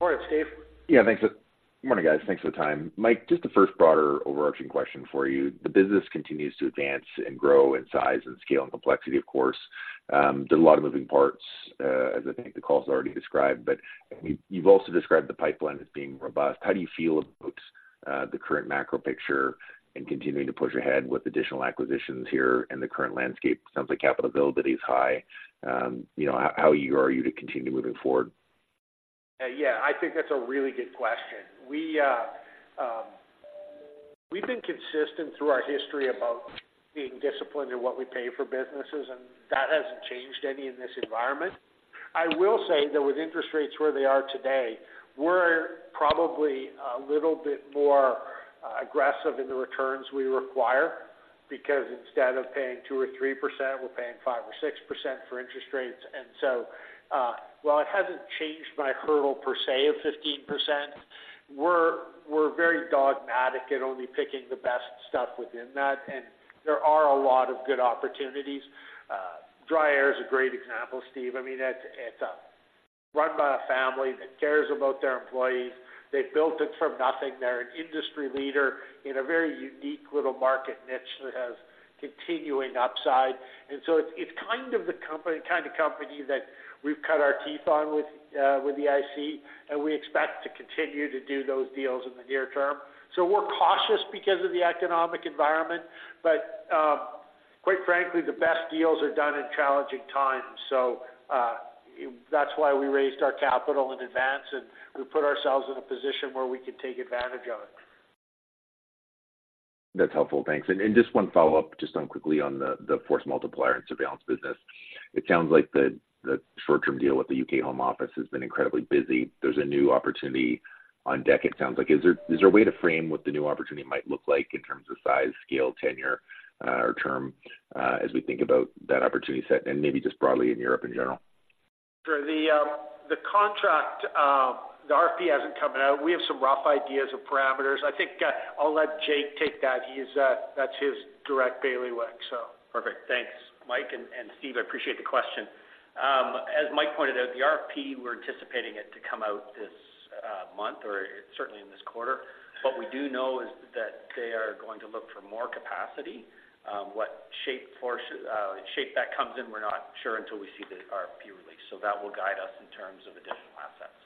Morning, Steve. Yeah, thanks. Good morning, guys. Thanks for the time. Mike, just the first broader overarching question for you. The business continues to advance and grow in size and scale and complexity, of course. There's a lot of moving parts, as I think the call has already described, but you've also described the pipeline as being robust. How do you feel about, the current macro picture and continuing to push ahead with additional acquisitions here in the current landscape? Sounds like capital availability is high. You know, how eager are you to continue moving forward? Yeah, I think that's a really good question. We, we've been consistent through our history about being disciplined in what we pay for businesses, and that hasn't changed any in this environment. I will say, though, with interest rates where they are today, we're probably a little bit more, aggressive in the returns we require, because instead of paying 2 or 3%, we're paying 5 or 6% for interest rates. And so, while it hasn't changed my hurdle per se, of 15%, we're, we're very dogmatic at only picking the best stuff within that, and there are a lot of good DryAir is a great example, Steve. I mean, it's, it's, run by a family that cares about their employees. They've built it from nothing. They're an industry leader in a very unique little market niche that has continuing upside. So it's kind of the kind of company that we've cut our teeth on with EIC, and we expect to continue to do those deals in the near term. We're cautious because of the economic environment, but quite frankly, the best deals are done in challenging times. That's why we raised our capital in advance, and we put ourselves in a position where we can take advantage of it. That's helpful. Thanks. And just one follow-up, just quickly on the Force Multiplier and surveillance business.... It sounds like the short-term deal with the UK Home Office has been incredibly busy. There's a new opportunity on deck, it sounds like. Is there a way to frame what the new opportunity might look like in terms of size, scale, tenure, or term, as we think about that opportunity set and maybe just broadly in Europe in general? Sure. The contract, the RFP hasn't come out. We have some rough ideas of parameters. I think, I'll let Jake take that. He's, that's his direct bailiwick, so. Perfect. Thanks, Mike and Steve. I appreciate the question. As Mike pointed out, the RFP, we're anticipating it to come out this month, or certainly in this quarter. What we do know is that they are going to look for more capacity. What shape or form that comes in, we're not sure until we see the RFP release. So that will guide us in terms of additional assets.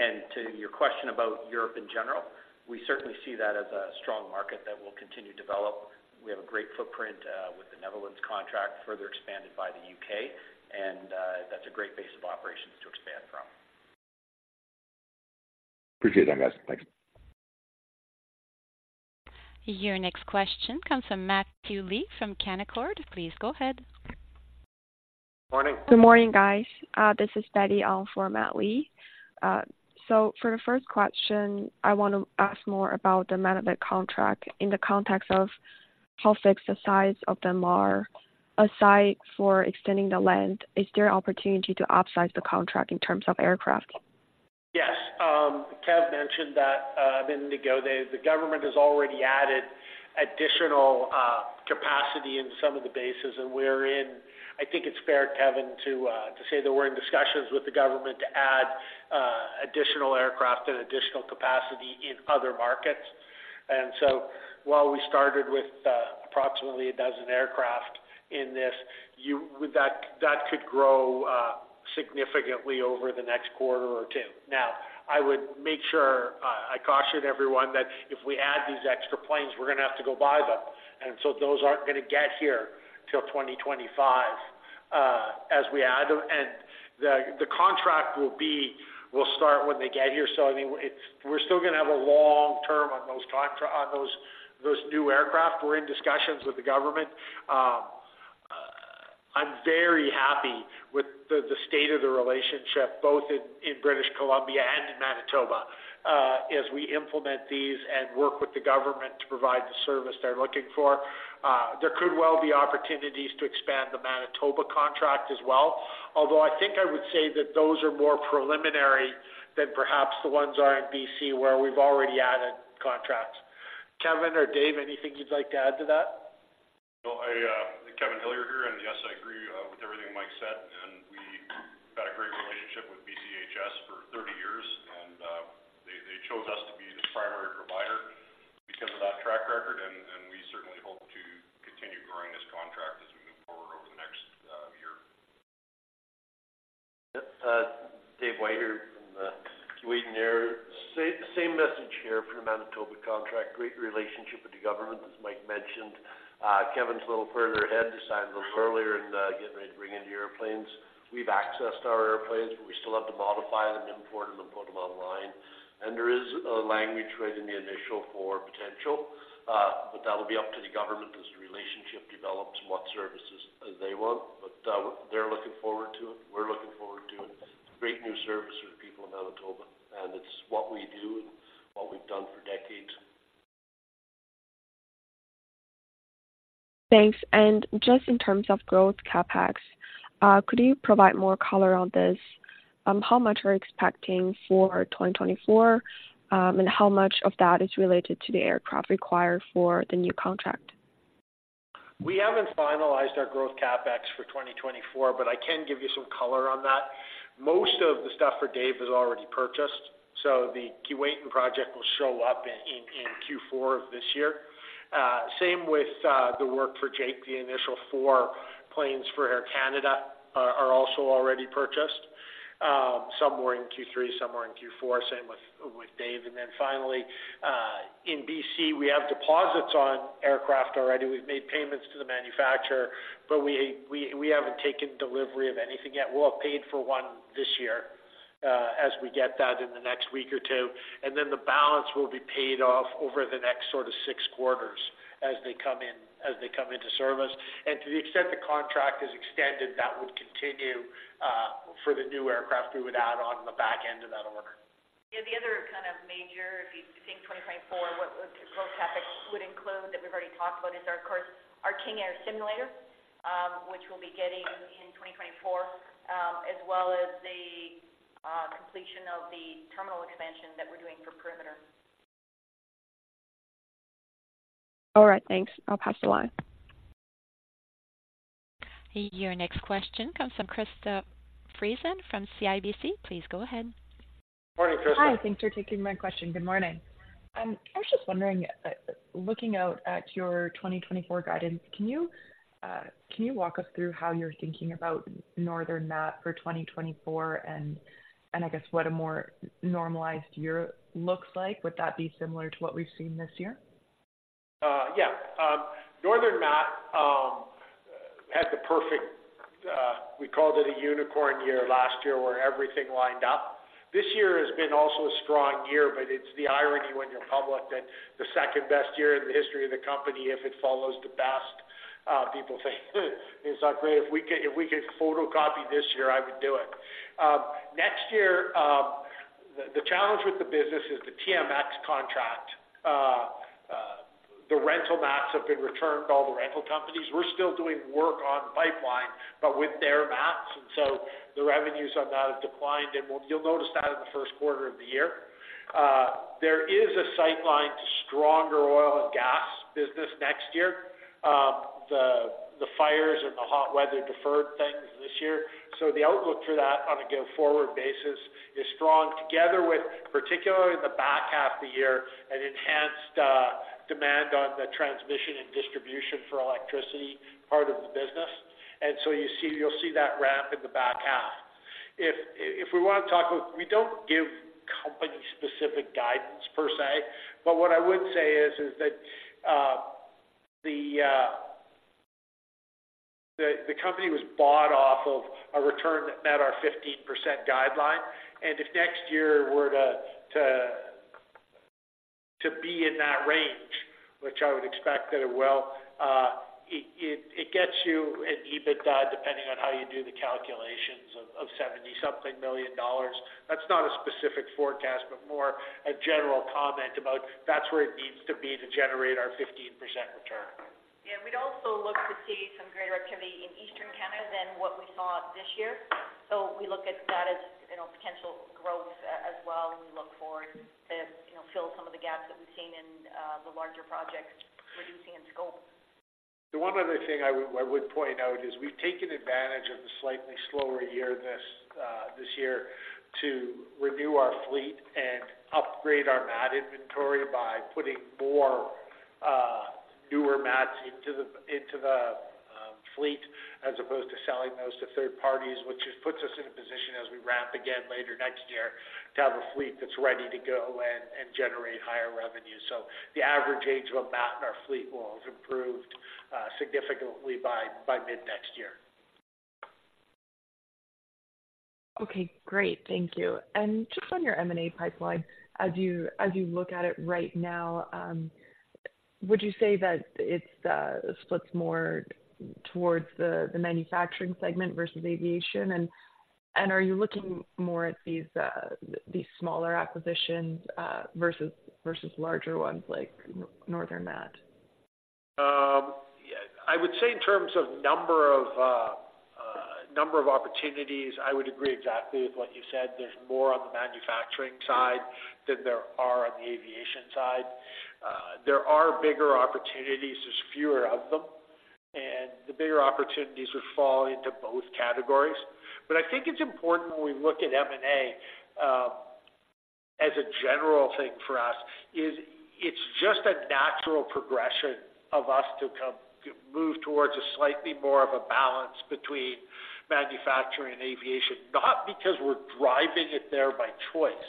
And to your question about Europe in general, we certainly see that as a strong market that will continue to develop. We have a great footprint with the Netherlands contract, further expanded by the UK, and that's a great base of operations to expand from. Appreciate that, guys. Thanks. Your next question comes from Matthew Lee from Canaccord. Please go ahead. Morning. Good morning, guys. This is Betty on for Matt Lee. So for the first question, I wanna ask more about the Manitoba contract in the context of how fixed the size of them are. Aside for extending the land, is there an opportunity to upsize the contract in terms of aircraft? Yes. Kev mentioned that a minute ago, the government has already added additional capacity in some of the bases, and we're in... I think it's fair, Kevin, to say that we're in discussions with the government to add additional aircraft and additional capacity in other markets. And so while we started with approximately 12 aircraft in this, with that, that could grow significantly over the next quarter or two. Now, I would make sure I caution everyone that if we add these extra planes, we're gonna have to go buy them, and so those aren't gonna get here till 2025 as we add them. And the contract will be, will start when they get here. So, I mean, we're still gonna have a long term on those on those new aircraft. We're in discussions with the government. I'm very happy with the, the state of the relationship, both in, in British Columbia and in Manitoba. As we implement these and work with the government to provide the service they're looking for, there could well be opportunities to expand the Manitoba contract as well. Although I think I would say that those are more preliminary than perhaps the ones are in BC, where we've already added contracts. Kevin or Dave, anything you'd like to add to that? No, I, Kevin Hillier here, and yes, I agree with everything Mike said, and we've had a great relationship with BCHS for 30 years, and they chose us to be the primary provider because of that track record, and we certainly hope to continue growing this contract as we move forward over the next year. Yep, Dave White here from the Keewatin. Same, same message here for the Manitoba contract. Great relationship with the government, as Mike mentioned. Kevin's a little further ahead, decided a little earlier and getting ready to bring in the airplanes. We've accessed our airplanes, but we still have to modify them, import them, and put them online. And there is a language right in the initial four potential, but that'll be up to the government as the relationship develops and what services they want. But, they're looking forward to it. We're looking forward to it. It's a great new service for the people in Manitoba, and it's what we do and what we've done for decades. Thanks. And just in terms of growth CapEx, could you provide more color on this? How much are you expecting for 2024, and how much of that is related to the aircraft required for the new contract? We haven't finalized our growth CapEx for 2024, but I can give you some color on that. Most of the stuff for Dave is already purchased, so the Keewatin project will show up in Q4 of this year. Same with the work for Jake. The initial four planes for Air Canada are also already purchased. Some were in Q3, some are in Q4, same with Dave. And then finally, in BC, we have deposits on aircraft already. We've made payments to the manufacturer, but we haven't taken delivery of anything yet. We'll have paid for one this year, as we get that in the next week or two, and then the balance will be paid off over the next sort of six quarters as they come in as they come into service. To the extent the contract is extended, that would continue for the new aircraft we would add on the back end of that order. Yeah, the other kind of major, if you think 2024, what the growth CapEx would include, that we've already talked about, is our, of course, our King Air simulator, which we'll be getting in 2024, as well as the completion of the terminal expansion that we're doing for Perimeter. All right, thanks. I'll pass the line. Your next question comes from Krista Friesen from CIBC. Please go ahead. Morning, Krista. Hi, thanks for taking my question. Good morning. I was just wondering, looking out at your 2024 guidance, can you, can you walk us through how you're thinking about Northern Mat for 2024? And, and I guess what a more normalized year looks like? Would that be similar to what we've seen this year? Yeah. Northern Mat has the perfect. We called it a unicorn year last year, where everything lined up. This year has been also a strong year, but it's the irony when you're public that the second best year in the history of the company, if it follows the best, people think, it's not great. If we could, if we could photocopy this year, I would do it. Next year, the challenge with the business is the TMX contract. The rental mats have been returned to all the rental companies. We're still doing work on pipeline, but with their mats, and so the revenues on that have declined, and you'll notice that in the Q1 of the year. There is a sight line to stronger oil and gas business next year. The fires and the hot weather deferred things this year. So the outlook for that on a go-forward basis is strong, together with, particularly in the back half of the year, an enhanced demand on the transmission and distribution for electricity part of the business. And so you'll see that ramp in the back half. If we want to talk about... We don't give company-specific guidance per se, but what I would say is that the company was bought off of a return that met our 15% guideline, and if next year were to be in that range, which I would expect that it will, it gets you an EBITDA, depending on how you do the calculations, of 70-something million dollars. That's not a specific forecast, but more a general comment about that's where it needs to be to generate our 15% return. Yeah, we'd also look to see some greater activity in Eastern Canada than what we saw this year. So we look at that as, you know, potential growth as well, and we look forward to, you know, fill some of the gaps that we've seen in the larger projects reducing in scope. The one other thing I would point out is we've taken advantage of the slightly slower year this year to renew our fleet and upgrade our mat inventory by putting more newer mats into the fleet, as opposed to selling those to third parties, which just puts us in a position as we ramp again later next year, to have a fleet that's ready to go and generate higher revenue. So the average age of a mat in our fleet will have improved significantly by mid-next year. Okay, great. Thank you. Just on your M&A pipeline, as you look at it right now, would you say that it splits more towards the manufacturing segment versus aviation? And are you looking more at these smaller acquisitions versus larger ones like Northern Mat? Yeah, I would say in terms of number of opportunities, I would agree exactly with what you said. There's more on the manufacturing side than there are on the aviation side. There are bigger opportunities, there's fewer of them, and the bigger opportunities would fall into both categories. But I think it's important when we look at M&A, as a general thing for us, is it's just a natural progression of us to move towards a slightly more of a balance between manufacturing and aviation. Not because we're driving it there by choice,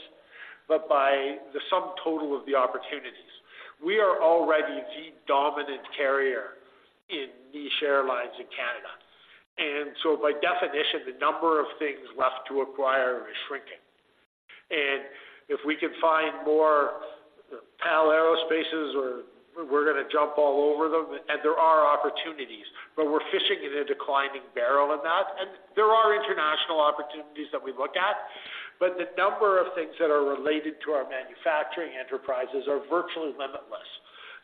but by the sum total of the opportunities. We are already the dominant carrier in niche airlines in Canada. And so by definition, the number of things left to acquire is shrinking. And if we can find more PAL Aerospaces or... We're gonna jump all over them, and there are opportunities, but we're fishing in a declining barrel in that. There are international opportunities that we look at, but the number of things that are related to our manufacturing enterprises are virtually limitless.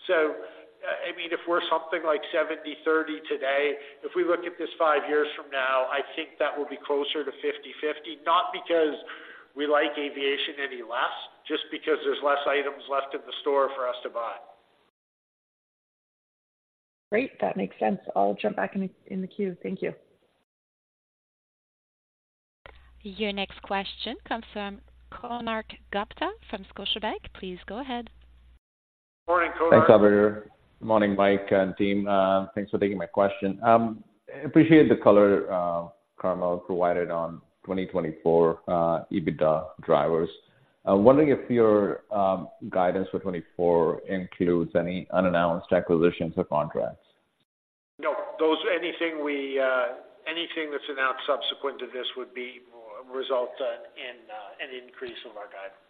So, I mean, if we're something like 70/30 today, if we look at this 5 years from now, I think that will be closer to 50/50. Not because we like aviation any less, just because there's less items left in the store for us to buy. Great, that makes sense. I'll jump back in the queue. Thank you. Your next question comes from Konark Gupta from Scotiabank. Please go ahead. Morning, Konark. Thanks, operator. Morning, Mike and team. Thanks for taking my question. Appreciate the color Carmele provided on 2024 EBITDA drivers. I'm wondering if your guidance for 2024 includes any unannounced acquisitions or contracts? No, those... Anything that's announced subsequent to this would result in an increase of our guidance.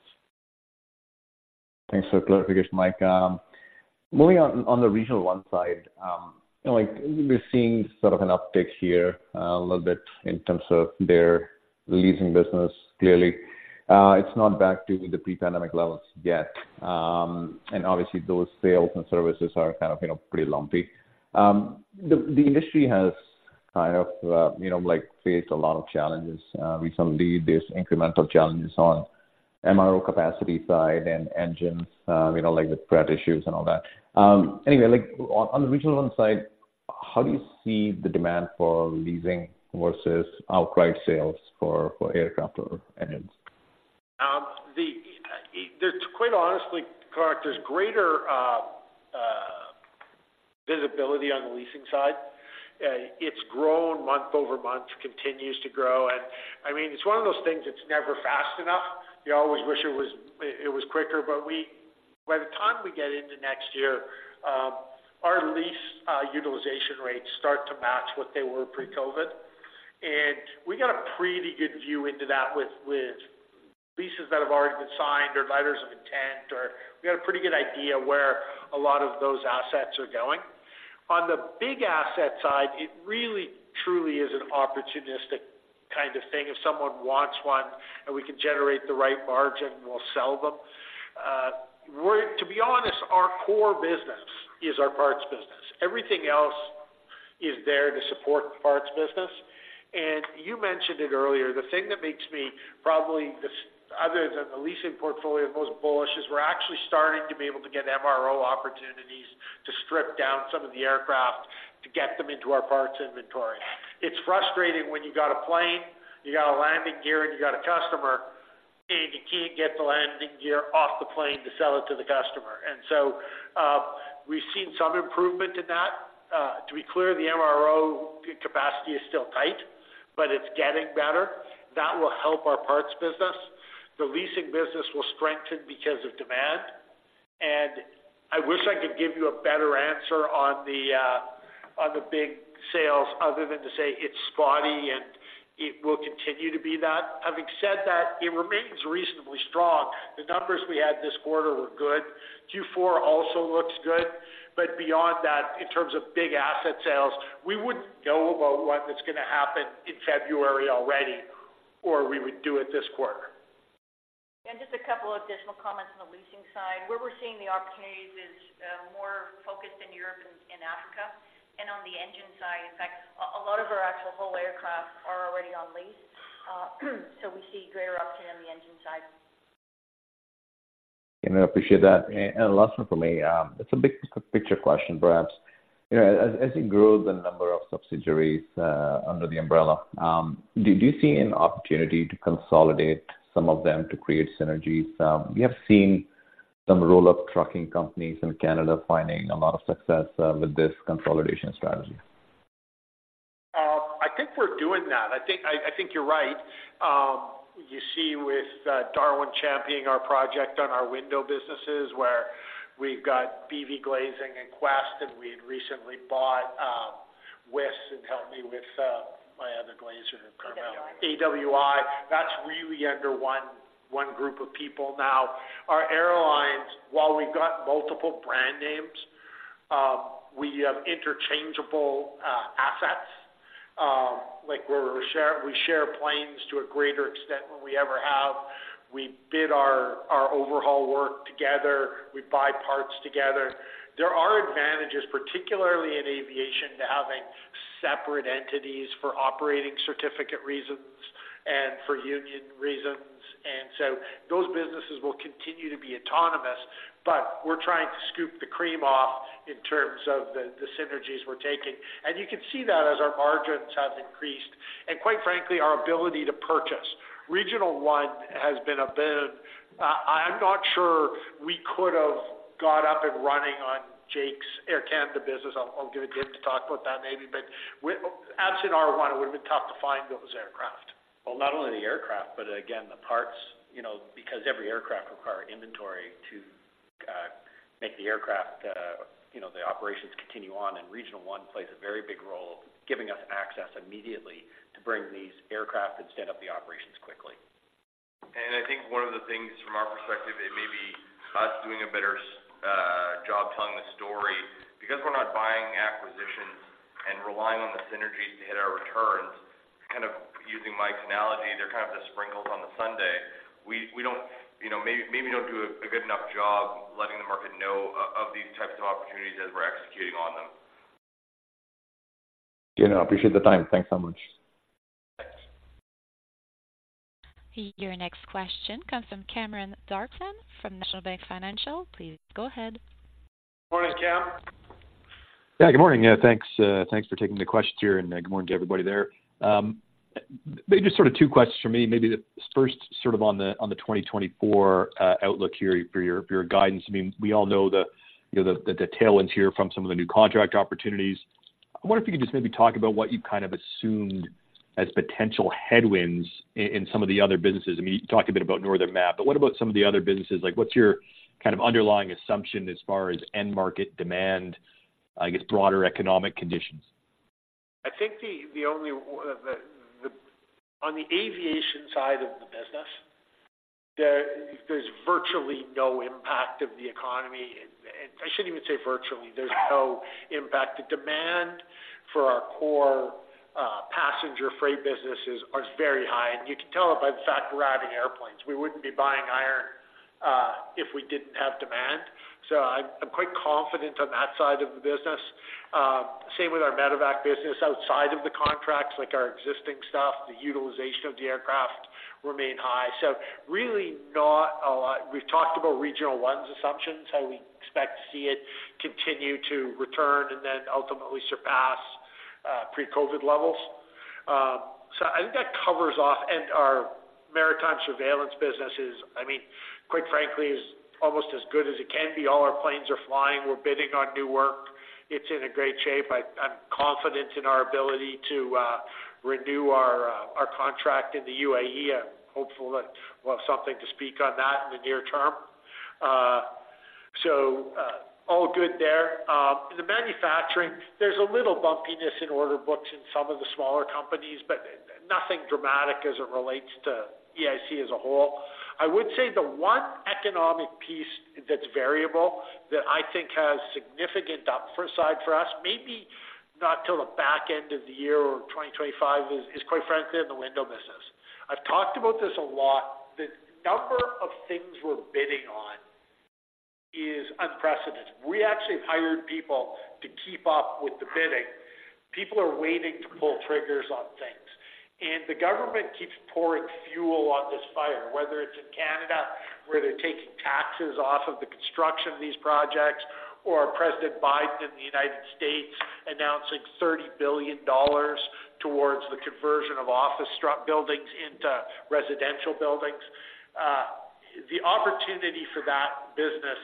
Thanks for the clarification, Mike. Moving on, on the Regional One side, you know, like, we're seeing sort of an uptick here, a little bit in terms of their leasing business. Clearly, it's not back to the pre-pandemic levels yet. Obviously, those sales and services are kind of, you know, pretty lumpy. The industry has kind of, you know, like, faced a lot of challenges recently. There's incremental challenges on MRO capacity side and engines, you know, like the Pratt issues and all that. Anyway, like, on the Regional One side, how do you see the demand for leasing versus outright sales for aircraft or engines? There's quite honestly, Konark, there's greater visibility on the leasing side. It's grown month-over-month, continues to grow, and I mean, it's one of those things that's never fast enough. You always wish it was quicker, but by the time we get into next year, our lease utilization rates start to match what they were pre-COVID. And we got a pretty good view into that with leases that have already been signed or letters of intent, or we got a pretty good idea where a lot of those assets are going. On the big asset side, it really truly is an opportunistic kind of thing. If someone wants one and we can generate the right margin, we'll sell them. To be honest, our core business is our parts business. Everything else is there to support the parts business. And you mentioned it earlier, the thing that makes me probably the, other than the leasing portfolio, the most bullish, is we're actually starting to be able to get MRO opportunities to strip down some of the aircraft to get them into our parts inventory. It's frustrating when you got a plane, you got a landing gear, and you got a customer, and you can't get the landing gear off the plane to sell it to the customer. And so, we've seen some improvement in that. To be clear, the MRO capacity is still tight, but it's getting better. That will help our parts business. The leasing business will strengthen because of demand, and I wish I could give you a better answer on the, on the big sales other than to say it's spotty, and it will continue to be that. Having said that, it remains reasonably strong. The numbers we had this quarter were good. Q4 also looks good, but beyond that, in terms of big asset sales, we wouldn't know about what that's gonna happen in February already, or we would do it this quarter. Just a couple of additional comments on the leasing side. Where we're seeing the opportunities is more focused in Europe and in Africa and on the engine side. In fact, a lot of our actual whole aircraft are already on lease, so we see greater opportunity on the engine side. I appreciate that. Last one for me, it's a big picture question, perhaps. You know, as you grow the number of subsidiaries under the umbrella, do you see an opportunity to consolidate some of them to create synergies? We have seen some roll-up trucking companies in Canada finding a lot of success with this consolidation strategy. I think we're doing that. I think, I think you're right. You see with Darwin championing our project on our window businesses, where we've got BVGlazing and Quest, and we had recently bought Wis and help me with my other glazer, Carmele. AWI. AWI. That's really under one group of people now. Our airlines, while we've got multiple brand names, we have interchangeable assets, like, we share planes to a greater extent than we ever have. We bid our overhaul work together. We buy parts together. There are advantages, particularly in aviation, to having separate entities for operating certificate reasons and for union reasons, and so those businesses will continue to be autonomous. But we're trying to scoop the cream off in terms of the synergies we're taking. And you can see that as our margins have increased and quite frankly, our ability to purchase. Regional One has been a boon. I'm not sure we could have got up and running on Jake's Air Canada business. I'll give it to him to talk about that, maybe. But with absent R1, it would have been tough to find those aircraft. Well, not only the aircraft, but again, the parts, you know, because every aircraft require inventory to make the aircraft, you know, the operations continue on, and Regional One plays a very big role, giving us access immediately to bring these aircraft and stand up the operations quickly. I think one of the things from our perspective, it may be us doing a better job telling the story. Because we're not buying acquisitions and relying on the synergies to hit our returns, kind of using Mike's analogy, they're kind of the sprinkles on the sundae. We, we don't, you know, maybe, maybe don't do a good enough job letting the market know of these types of opportunities as we're executing on them. Yeah, I appreciate the time. Thanks so much. Thanks. Your next question comes from Cameron Clarkson from National Bank Financial. Please go ahead. Morning, Cam. Yeah, good morning. Yeah, thanks, thanks for taking the questions here, and, good morning to everybody there. Maybe just sort of two questions for me. Maybe the first sort of on the, on the 2024, outlook here for your, for your guidance. I mean, we all know the, you know, the tailwinds here from some of the new contract opportunities. I wonder if you could just maybe talk about what you've kind of assumed as potential headwinds in, in some of the other businesses. I mean, you talked a bit about Northern Mat, but what about some of the other businesses? Like, what's your kind of underlying assumption as far as end market demand, I guess, broader economic conditions? I think the only on the aviation side of the business, there's virtually no impact of the economy. And I shouldn't even say virtually, there's no impact. The demand for our core passenger freight businesses are very high, and you can tell by the fact we're adding airplanes. We wouldn't be buying iron if we didn't have demand. So I'm quite confident on that side of the business. Same with our medevac business. Outside of the contracts, like our existing stuff, the utilization of the aircraft remain high. So really not a lot. We've talked about Regional One's assumptions, how we expect to see it continue to return and then ultimately surpass pre-COVID levels. So I think that covers off... And our maritime surveillance business is, I mean, quite frankly, is almost as good as it can be. All our planes are flying. We're bidding on new work. It's in a great shape. I'm confident in our ability to renew our contract in the UAE. I'm hopeful that we'll have something to speak on that in the near term. So, all good there. The manufacturing, there's a little bumpiness in order books in some of the smaller companies, but nothing dramatic as it relates to EIC as a whole. I would say the one economic piece that's variable that I think has significant upside for us, maybe not till the back end of the year or 2025, is quite frankly, in the window business. I've talked about this a lot. The number of things we're bidding on is unprecedented. We actually have hired people to keep up with the bidding. People are waiting to pull triggers on things, and the government keeps pouring fuel on this fire, whether it's in Canada, where they're taking taxes off of the construction of these projects, or President Biden in the United States announcing $30 billion towards the conversion of office buildings into residential buildings. The opportunity for that business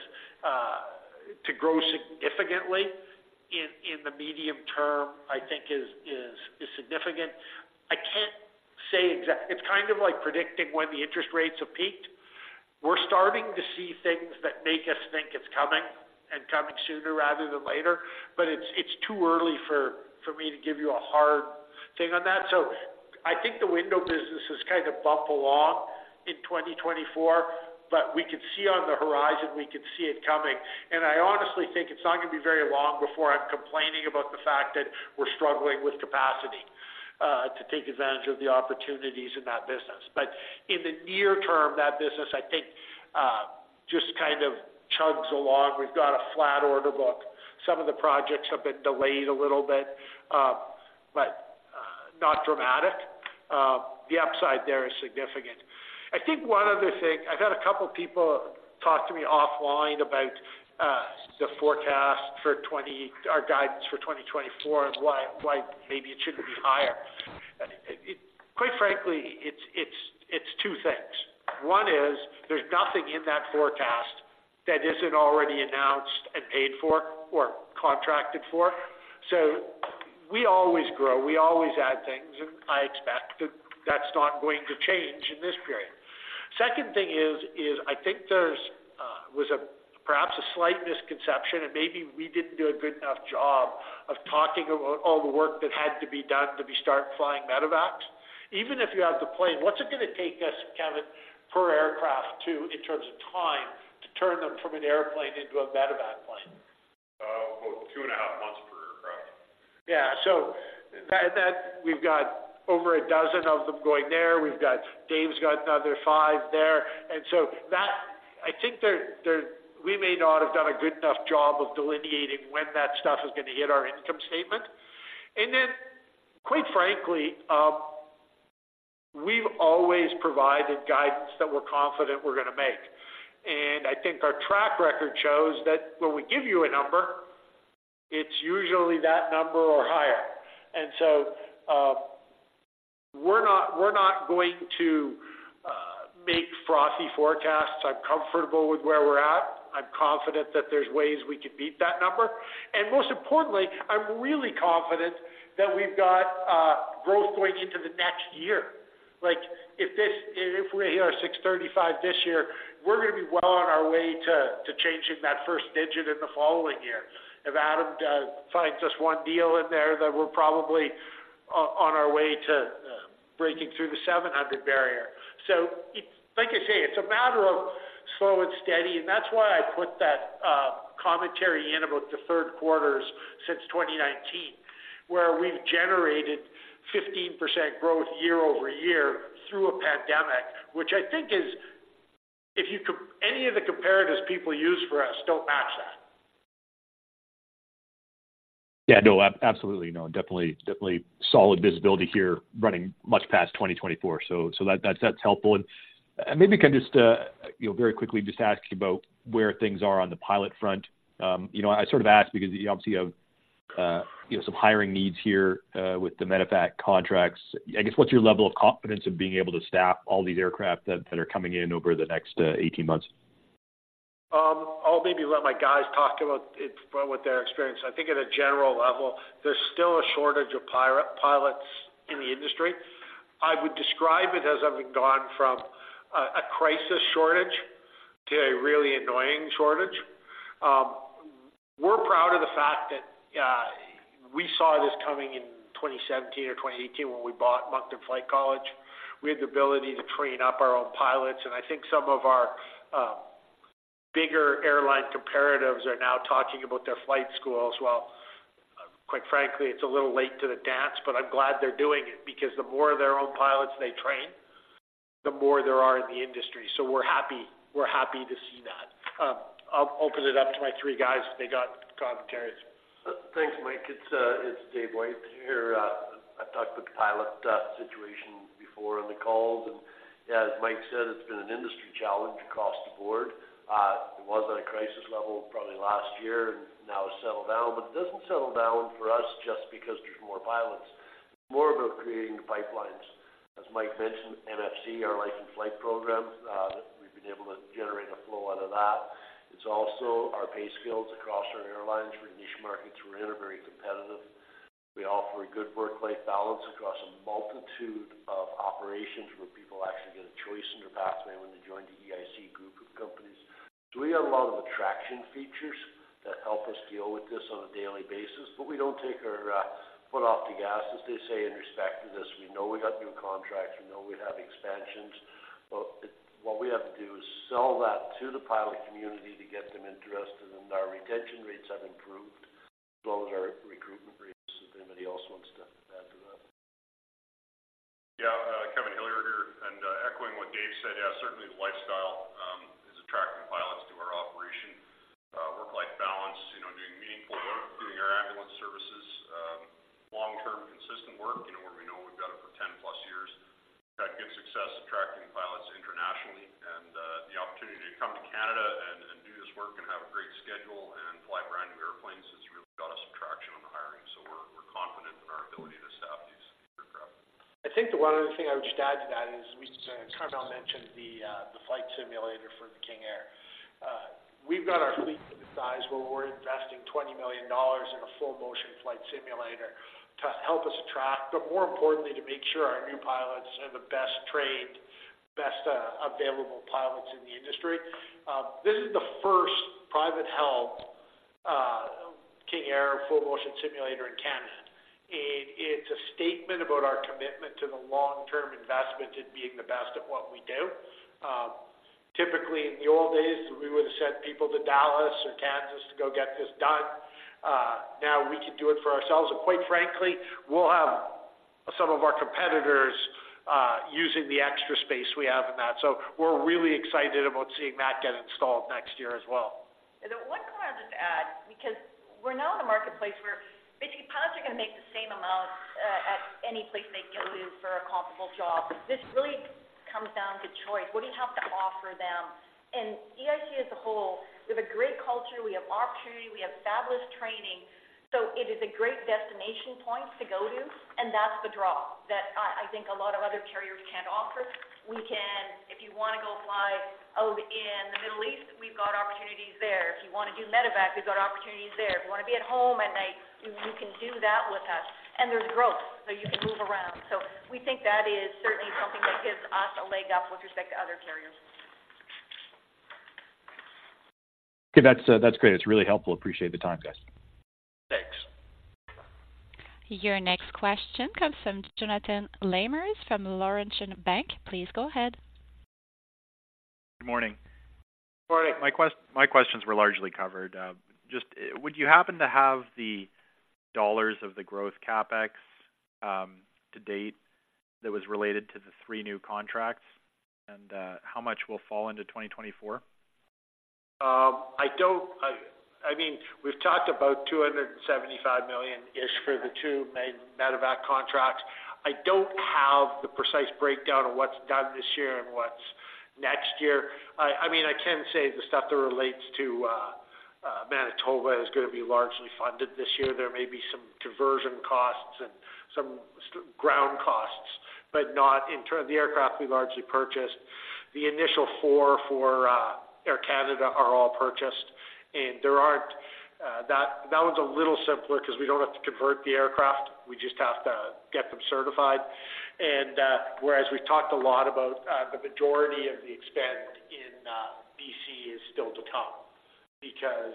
to grow significantly in the medium term, I think is significant. I can't say it's kind of like predicting when the interest rates have peaked. We're starting to see things that make us think it's coming and coming sooner rather than later, but it's too early for me to give you a hard thing on that. So I think the window business is kinda bump along in 2024, but we can see on the horizon, we can see it coming. I honestly think it's not gonna be very long before I'm complaining about the fact that we're struggling with capacity to take advantage of the opportunities in that business. But in the near term, that business, I think, just kind of chugs along. We've got a flat order book. Some of the projects have been delayed a little bit, but not dramatic. The upside there is significant. I think one other thing, I've had a couple of people talk to me offline about the forecast for twenty-- our guidance for 2024 and why, why maybe it shouldn't be higher. Quite frankly, it's two things. One is there's nothing in that forecast that isn't already announced and paid for or contracted for. So we always grow, we always add things, and I expect that that's not going to change in this period. Second thing is, I think there was perhaps a slight misconception, and maybe we didn't do a good enough job of talking about all the work that had to be done to get started flying medevacs. Even if you have the plane, what's it gonna take us, Kevin, per aircraft, in terms of time, to turn them from an airplane into a medevac plane? About 2.5 months per aircraft. Yeah. So and then we've got over a dozen of them going there. We've got... Dave's got another five there. And so that I think there, there, we may not have done a good enough job of delineating when that stuff is gonna hit our income statement. And then, quite frankly, we've always provided guidance that we're confident we're gonna make. And I think our track record shows that when we give you a number, it's usually that number or higher. And so, we're not, we're not going to make frothy forecasts. I'm comfortable with where we're at. I'm confident that there's ways we can beat that number. And most importantly, I'm really confident that we've got growth going into the next year. Like, if we hit our 635 this year, we're gonna be well on our way to changing that first digit in the following year. If Adam finds us one deal in there, then we're probably on our way to breaking through the 700 barrier. So it's like I say, it's a matter of slow and steady, and that's why I put that commentary in about the Q3s since 2019, where we've generated 15% growth year-over-year through a pandemic, which I think is... If you compare any of the comparatives people use for us don't match that. Yeah, no, absolutely. No, definitely, definitely solid visibility here running much past 2024. So, that’s helpful. And maybe I can just, you know, very quickly just ask you about where things are on the pilot front. You know, I sort of ask because you obviously have, you know, some hiring needs here, with the medevac contracts. I guess, what’s your level of confidence in being able to staff all these aircraft that are coming in over the next, 18 months? I'll maybe let my guys talk about it from what their experience. I think at a general level, there's still a shortage of pilots in the industry. I would describe it as having gone from a crisis shortage to a really annoying shortage. We're proud of the fact that we saw this coming in 2017 or 2018 when we bought Moncton Flight College. We had the ability to train up our own pilots, and I think some of our bigger airline comparatives are now talking about their flight schools, while, quite frankly, it's a little late to the dance, but I'm glad they're doing it, because the more of their own pilots they train, the more there are in the industry. So we're happy, we're happy to see that. I'll open it up to my three guys if they got commentaries. Thanks, Mike. It's Dave White here. I've talked with the pilot situation before on the calls, and as Mike said, it's been an industry challenge across the board. It was at a crisis level, probably last year, and now it's settled down, but it doesn't settle down for us just because there's more pilots. It's more about creating the pipelines. As Mike mentioned, MFC, our Life in Flight program, we've been able to generate a flow out of that. It's also our pay scales across our airlines for the niche markets we're in are very competitive.... We offer a good work-life balance across a multitude of operations, where people actually get a choice in their pathway when they join the EIC group of companies. So we have a lot of attraction features that help us deal with this on a daily basis, but we don't take our foot off the gas, as they say, in respect to this. We know we got new contracts, we know we have expansions, but it—what we have to do is sell that to the pilot community to get them interested, and our retention rates have improved, as well as our recruitment rates. If anybody else wants to add to that? Yeah, Kevin Hillier here, and, echoing what Dave said, yeah, certainly the lifestyle is attracting pilots to our operation. Work-life balance, you know, doing meaningful work, doing air ambulance services, long-term, consistent work, you know, where we know we've got it for 10+ years. That gives success attracting pilots internationally and, the opportunity to come to Canada and, and do this work and have a great schedule and fly brand new airplanes has really got us some traction on the hiring. So we're, we're confident in our ability to staff these aircraft. I think the one other thing I would just add to that is we kind of mentioned the flight simulator for the King Air. We've got our fleet to the size where we're investing 20 million dollars in a full motion flight simulator to help us attract, but more importantly, to make sure our new pilots are the best trained, best available pilots in the industry. This is the first privately held King Air full motion simulator in Canada, and it's a statement about our commitment to the long-term investment in being the best at what we do. Typically, in the old days, we would have sent people to Dallas or Kansas to go get this done. Now we can do it for ourselves, and quite frankly, we'll have some of our competitors using the extra space we have in that. We're really excited about seeing that get installed next year as well. And the one thing I'll just add, because we're now in a marketplace where basically pilots are gonna make the same amount at any place they go to for a comparable job. This really comes down to choice. What do you have to offer them? And EIC as a whole, we have a great culture, we have opportunity, we have fabulous training, so it is a great destination point to go to, and that's the draw that I, I think a lot of other carriers can't offer. We can—if you want to go fly out in the Middle East, we've got opportunities there. If you want to do medevac, we've got opportunities there. If you want to be at home at night, you can do that with us. And there's growth, so you can move around. We think that is certainly something that gives us a leg up with respect to other carriers. Okay, that's great. It's really helpful. Appreciate the time, guys. Thanks. Your next question comes from Jonathan Lamers from Laurentian Bank. Please go ahead. Good morning. Morning. My questions were largely covered. Just, would you happen to have the dollars of the growth CapEx to date that was related to the three new contracts? And how much will fall into 2024? I mean, we've talked about 275 million-ish for the 2 main medevac contracts. I don't have the precise breakdown of what's done this year and what's next year. I mean, I can say the stuff that relates to Manitoba is gonna be largely funded this year. There may be some diversion costs and some ground costs, but not in terms of the aircraft we largely purchased. The initial 4 for Air Canada are all purchased, and that one's a little simpler because we don't have to convert the aircraft. We just have to get them certified. Whereas we've talked a lot about the majority of the spend in BC is still to come because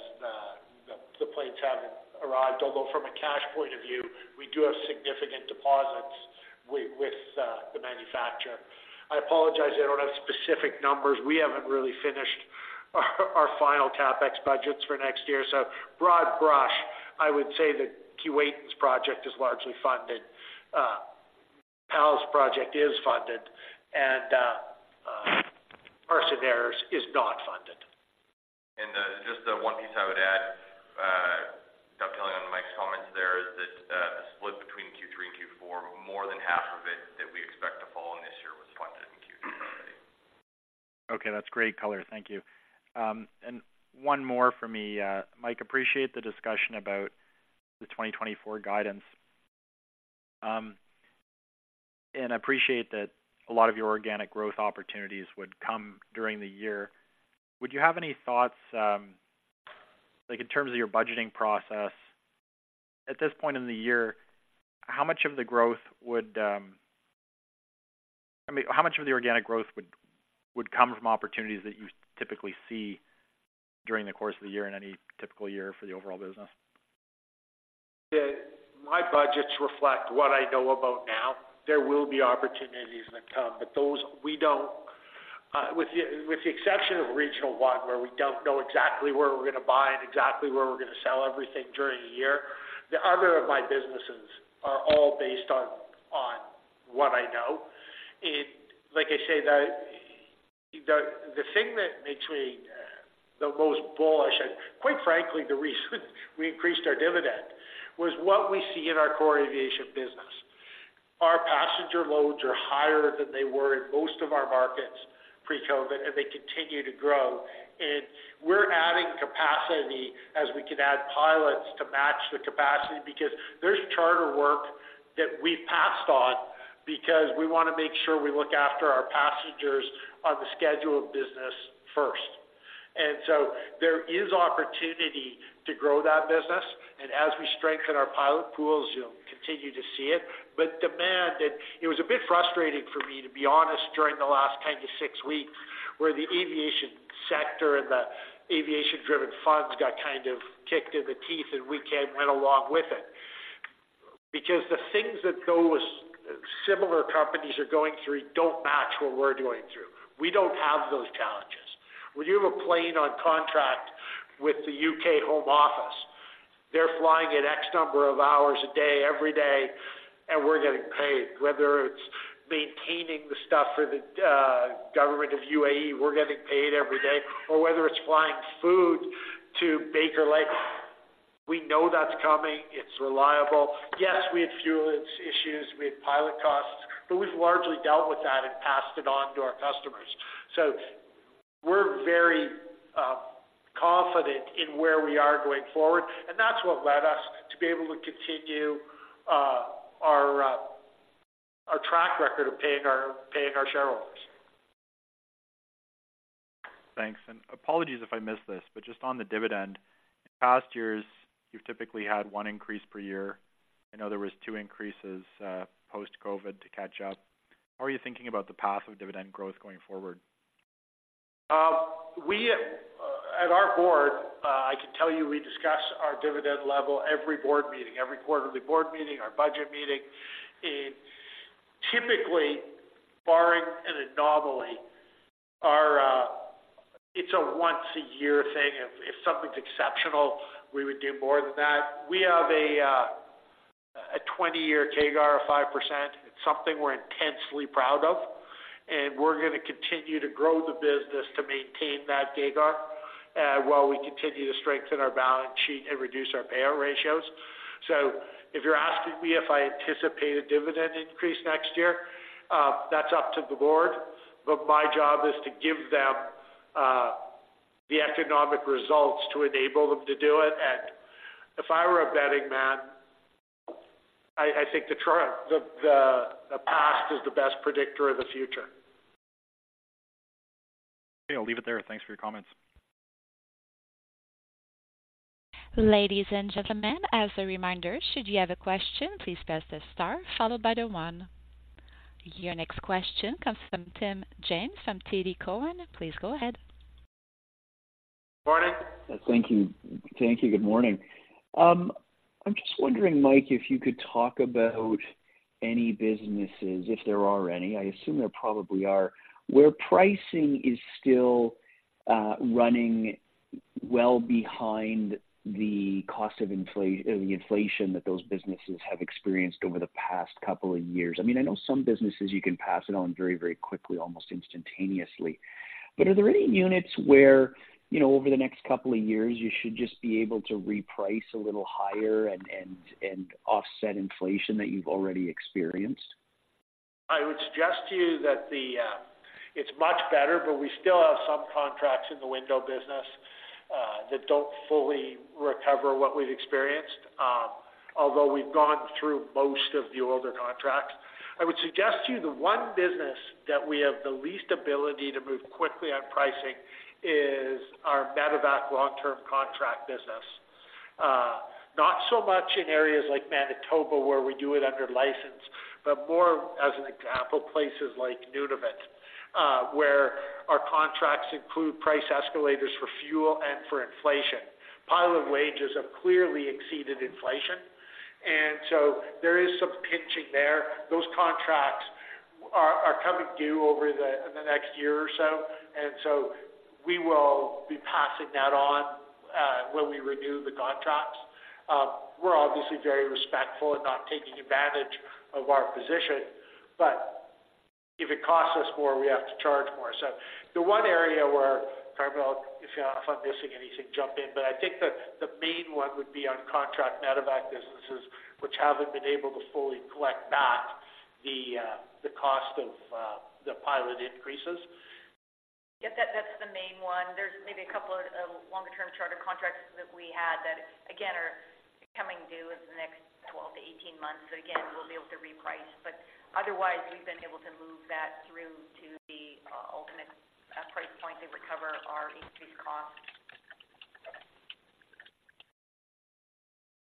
the planes haven't arrived. Although from a cash point of view, we do have significant deposits with the manufacturer. I apologize I don't have specific numbers. We haven't really finished our final CapEx budgets for next year. So broad brush, I would say the Q8 project is largely funded, PAL's project is funded, and Carson's is not funded. Just the one piece I would add, dovetailing on Mike's comments there, is that the split between Q3 and Q4, more than half of it that we expect to fall in this year was funded in Q2 already. Okay, that's great color. Thank you. One more for me. Mike, appreciate the discussion about the 2024 guidance. I appreciate that a lot of your organic growth opportunities would come during the year. Would you have any thoughts, like in terms of your budgeting process, at this point in the year, how much of the growth would, I mean, how much of the organic growth would come from opportunities that you typically see during the course of the year in any typical year for the overall business? My budgets reflect what I know about now. There will be opportunities that come, but those we don't, with the exception of Regional One, where we don't know exactly where we're gonna buy and exactly where we're gonna sell everything during the year, the other of my businesses are all based on what I know. And like I say, the thing that makes me the most bullish, and quite frankly, the reason we increased our dividend, was what we see in our core aviation business. Our passenger loads are higher than they were in most of our markets pre-COVID, and they continue to grow. And we're adding capacity as we can add pilots to match the capacity, because there's charter work that we passed on because we want to make sure we look after our passengers on the scheduled business first....So there is opportunity to grow that business, and as we strengthen our pilot pools, you'll continue to see it. But demand, and it was a bit frustrating for me, to be honest, during the last 10-6 weeks, where the aviation sector and the aviation-driven funds got kind of kicked in the teeth, and we can't went along with it. Because the things that those similar companies are going through don't match what we're going through. We don't have those challenges. When you have a plane on contract with the UK Home Office, they're flying at X number of hours a day, every day, and we're getting paid. Whether it's maintaining the stuff for the government of UAE, we're getting paid every day, or whether it's flying food to Baker Lake, we know that's coming. It's reliable. Yes, we had fuel issues, we had pilot costs, but we've largely dealt with that and passed it on to our customers. So we're very confident in where we are going forward, and that's what led us to be able to continue our track record of paying our shareholders. Thanks, and apologies if I missed this, but just on the dividend. In past years, you've typically had one increase per year. I know there was two increases post-COVID to catch up. How are you thinking about the path of dividend growth going forward? We, at our board, I can tell you, we discuss our dividend level, every board meeting, every quarterly board meeting, our budget meeting. And typically, barring an anomaly, our, it's a once a year thing. If something's exceptional, we would do more than that. We have a 20-year CAGR of 5%. It's something we're intensely proud of, and we're going to continue to grow the business to maintain that CAGR, while we continue to strengthen our balance sheet and reduce our payout ratios. So if you're asking me if I anticipate a dividend increase next year, that's up to the board. But my job is to give them, the economic results to enable them to do it. And if I were a betting man, I think the trend... The past is the best predictor of the future. Okay, I'll leave it there. Thanks for your comments. Ladies and gentlemen, as a reminder, should you have a question, please press the star followed by the one. Your next question comes from Tim James from TD Cowen. Please go ahead. Morning. Thank you. Thank you. Good morning. I'm just wondering, Mike, if you could talk about any businesses, if there are any, I assume there probably are, where pricing is still running well behind the cost of the inflation that those businesses have experienced over the past couple of years. I mean, I know some businesses you can pass it on very, very quickly, almost instantaneously. But are there any units where, you know, over the next couple of years, you should just be able to reprice a little higher and offset inflation that you've already experienced? I would suggest to you that it's much better, but we still have some contracts in the window business that don't fully recover what we've experienced, although we've gone through most of the older contracts. I would suggest to you the one business that we have the least ability to move quickly on pricing is our medevac long-term contract business. Not so much in areas like Manitoba, where we do it under license, but more as an example, places like Nunavut, where our contracts include price escalators for fuel and for inflation. Pilot wages have clearly exceeded inflation, and so there is some pinching there. Those contracts are coming due over the next year or so, and so we will be passing that on when we renew the contracts. We're obviously very respectful and not taking advantage of our position, but if it costs us more, we have to charge more. So the one area where, Carmele, if you're, if I'm missing anything, jump in, but I think the, the main one would be on contract medevac businesses, which haven't been able to fully collect back the, the cost of, the pilot increases. Yes, that's the main one. There's maybe a couple of longer-term charter contracts that we had that again are coming due in the next 12-18 months. So again, we'll be able to reprice, but otherwise we've been able to move that through to the ultimate price point to recover our increased costs.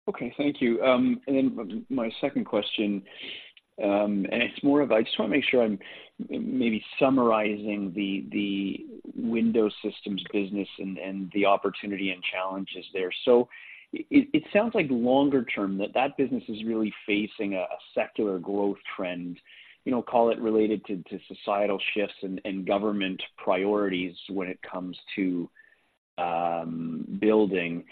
Okay, thank you. And then my second question, and it's more of I just want to make sure I'm maybe summarizing the Window Systems business and the opportunity and challenges there. So it sounds like longer term, that business is really facing a secular growth trend, you know, call it related to societal shifts and government priorities when it comes to building.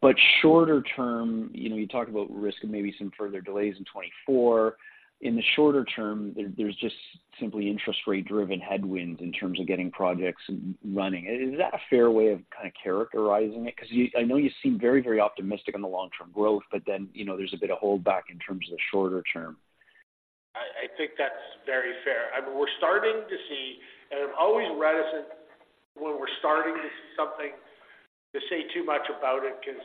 But shorter term, you know, you talk about risk and maybe some further delays in 2024. In the shorter term, there's just simply interest rate-driven headwinds in terms of getting projects running. Is that a fair way of kind of characterizing it? Because you... I know you seem very, very optimistic on the long-term growth, but then, you know, there's a bit of holdback in terms of the shorter term. I think that's very fair. I mean, we're starting to see, and I'm always reticent when we're starting to see something to say too much about it because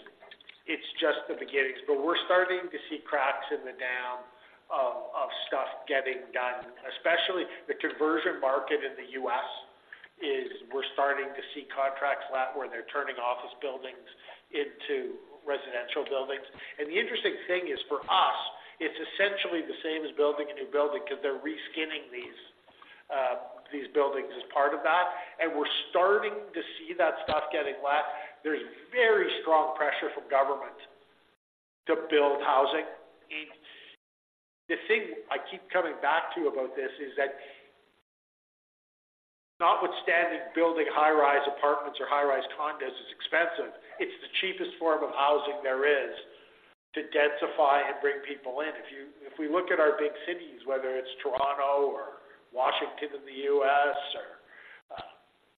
it's just the beginnings. But we're starting to see cracks in the dam of stuff getting done, especially the conversion market in the US is, we're starting to see contracts lap, where they're turning office buildings into residential buildings. And the interesting thing is, for us, it's essentially the same as building a new building because they're reskinning these, these buildings as part of that, and we're starting to see that stuff getting let. There's very strong pressure from government to build housing. And the thing I keep coming back to about this is that notwithstanding building high-rise apartments or high-rise condos is expensive, it's the cheapest form of housing there is to densify and bring people in. If we look at our big cities, whether it's Toronto or Washington in the U.S., or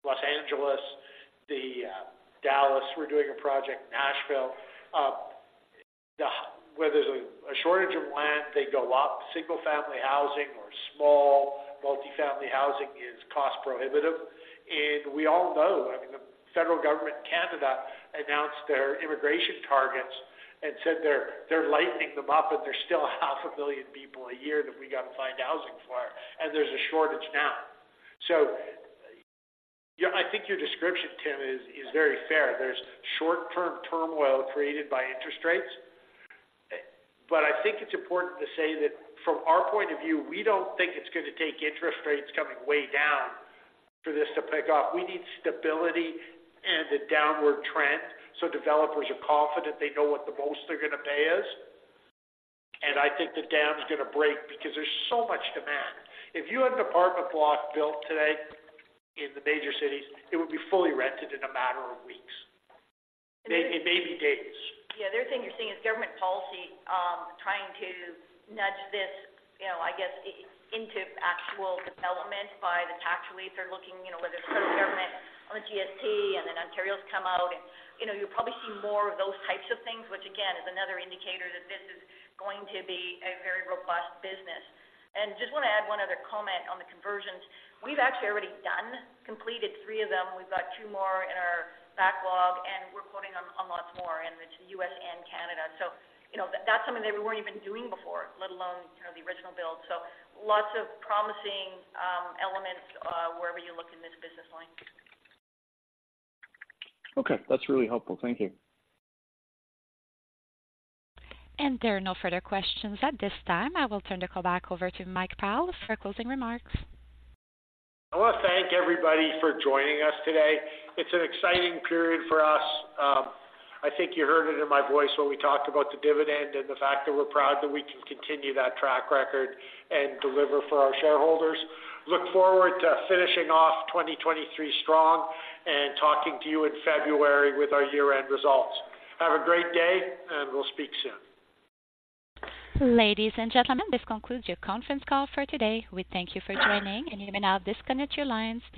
Los Angeles, Dallas, we're doing a project in Nashville. Where there's a shortage of land, they go up. Single-family housing or small multifamily housing is cost prohibitive. And we all know, I mean, the federal government in Canada announced their immigration targets and said they're lightening them up, but they're still 500,000 people a year that we got to find housing for, and there's a shortage now. So I think your description, Tim, is very fair. There's short-term turmoil created by interest rates. But I think it's important to say that from our point of view, we don't think it's going to take interest rates coming way down for this to pick up. We need stability and a downward trend, so developers are confident they know what the most they're going to pay is. I think the dam is going to break because there's so much demand. If you had an apartment block built today in the major cities, it would be fully rented in a matter of weeks. It may be days. Yeah. The other thing you're seeing is government policy trying to nudge this, you know, I guess, into actual development by the tax relief. They're looking, you know, whether it's the government on the GST and then Ontario's come out and, you know, you'll probably see more of those types of things, which again, is another indicator that this is going to be a very robust business. And just want to add one other comment on the conversions. We've actually already done, completed 3 of them. We've got 2 more in our backlog, and we're quoting them on lots more, and it's US and Canada. So, you know, that's something that we weren't even doing before, let alone, you know, the original build. So lots of promising elements wherever you look in this business line. Okay. That's really helpful. Thank you. There are no further questions at this time. I will turn the call back over to Mike Pyle for closing remarks. I want to thank everybody for joining us today. It's an exciting period for us. I think you heard it in my voice when we talked about the dividend and the fact that we're proud that we can continue that track record and deliver for our shareholders. Look forward to finishing off 2023 strong and talking to you in February with our year-end results. Have a great day, and we'll speak soon. Ladies and gentlemen, this concludes your conference call for today. We thank you for joining, and you may now disconnect your lines.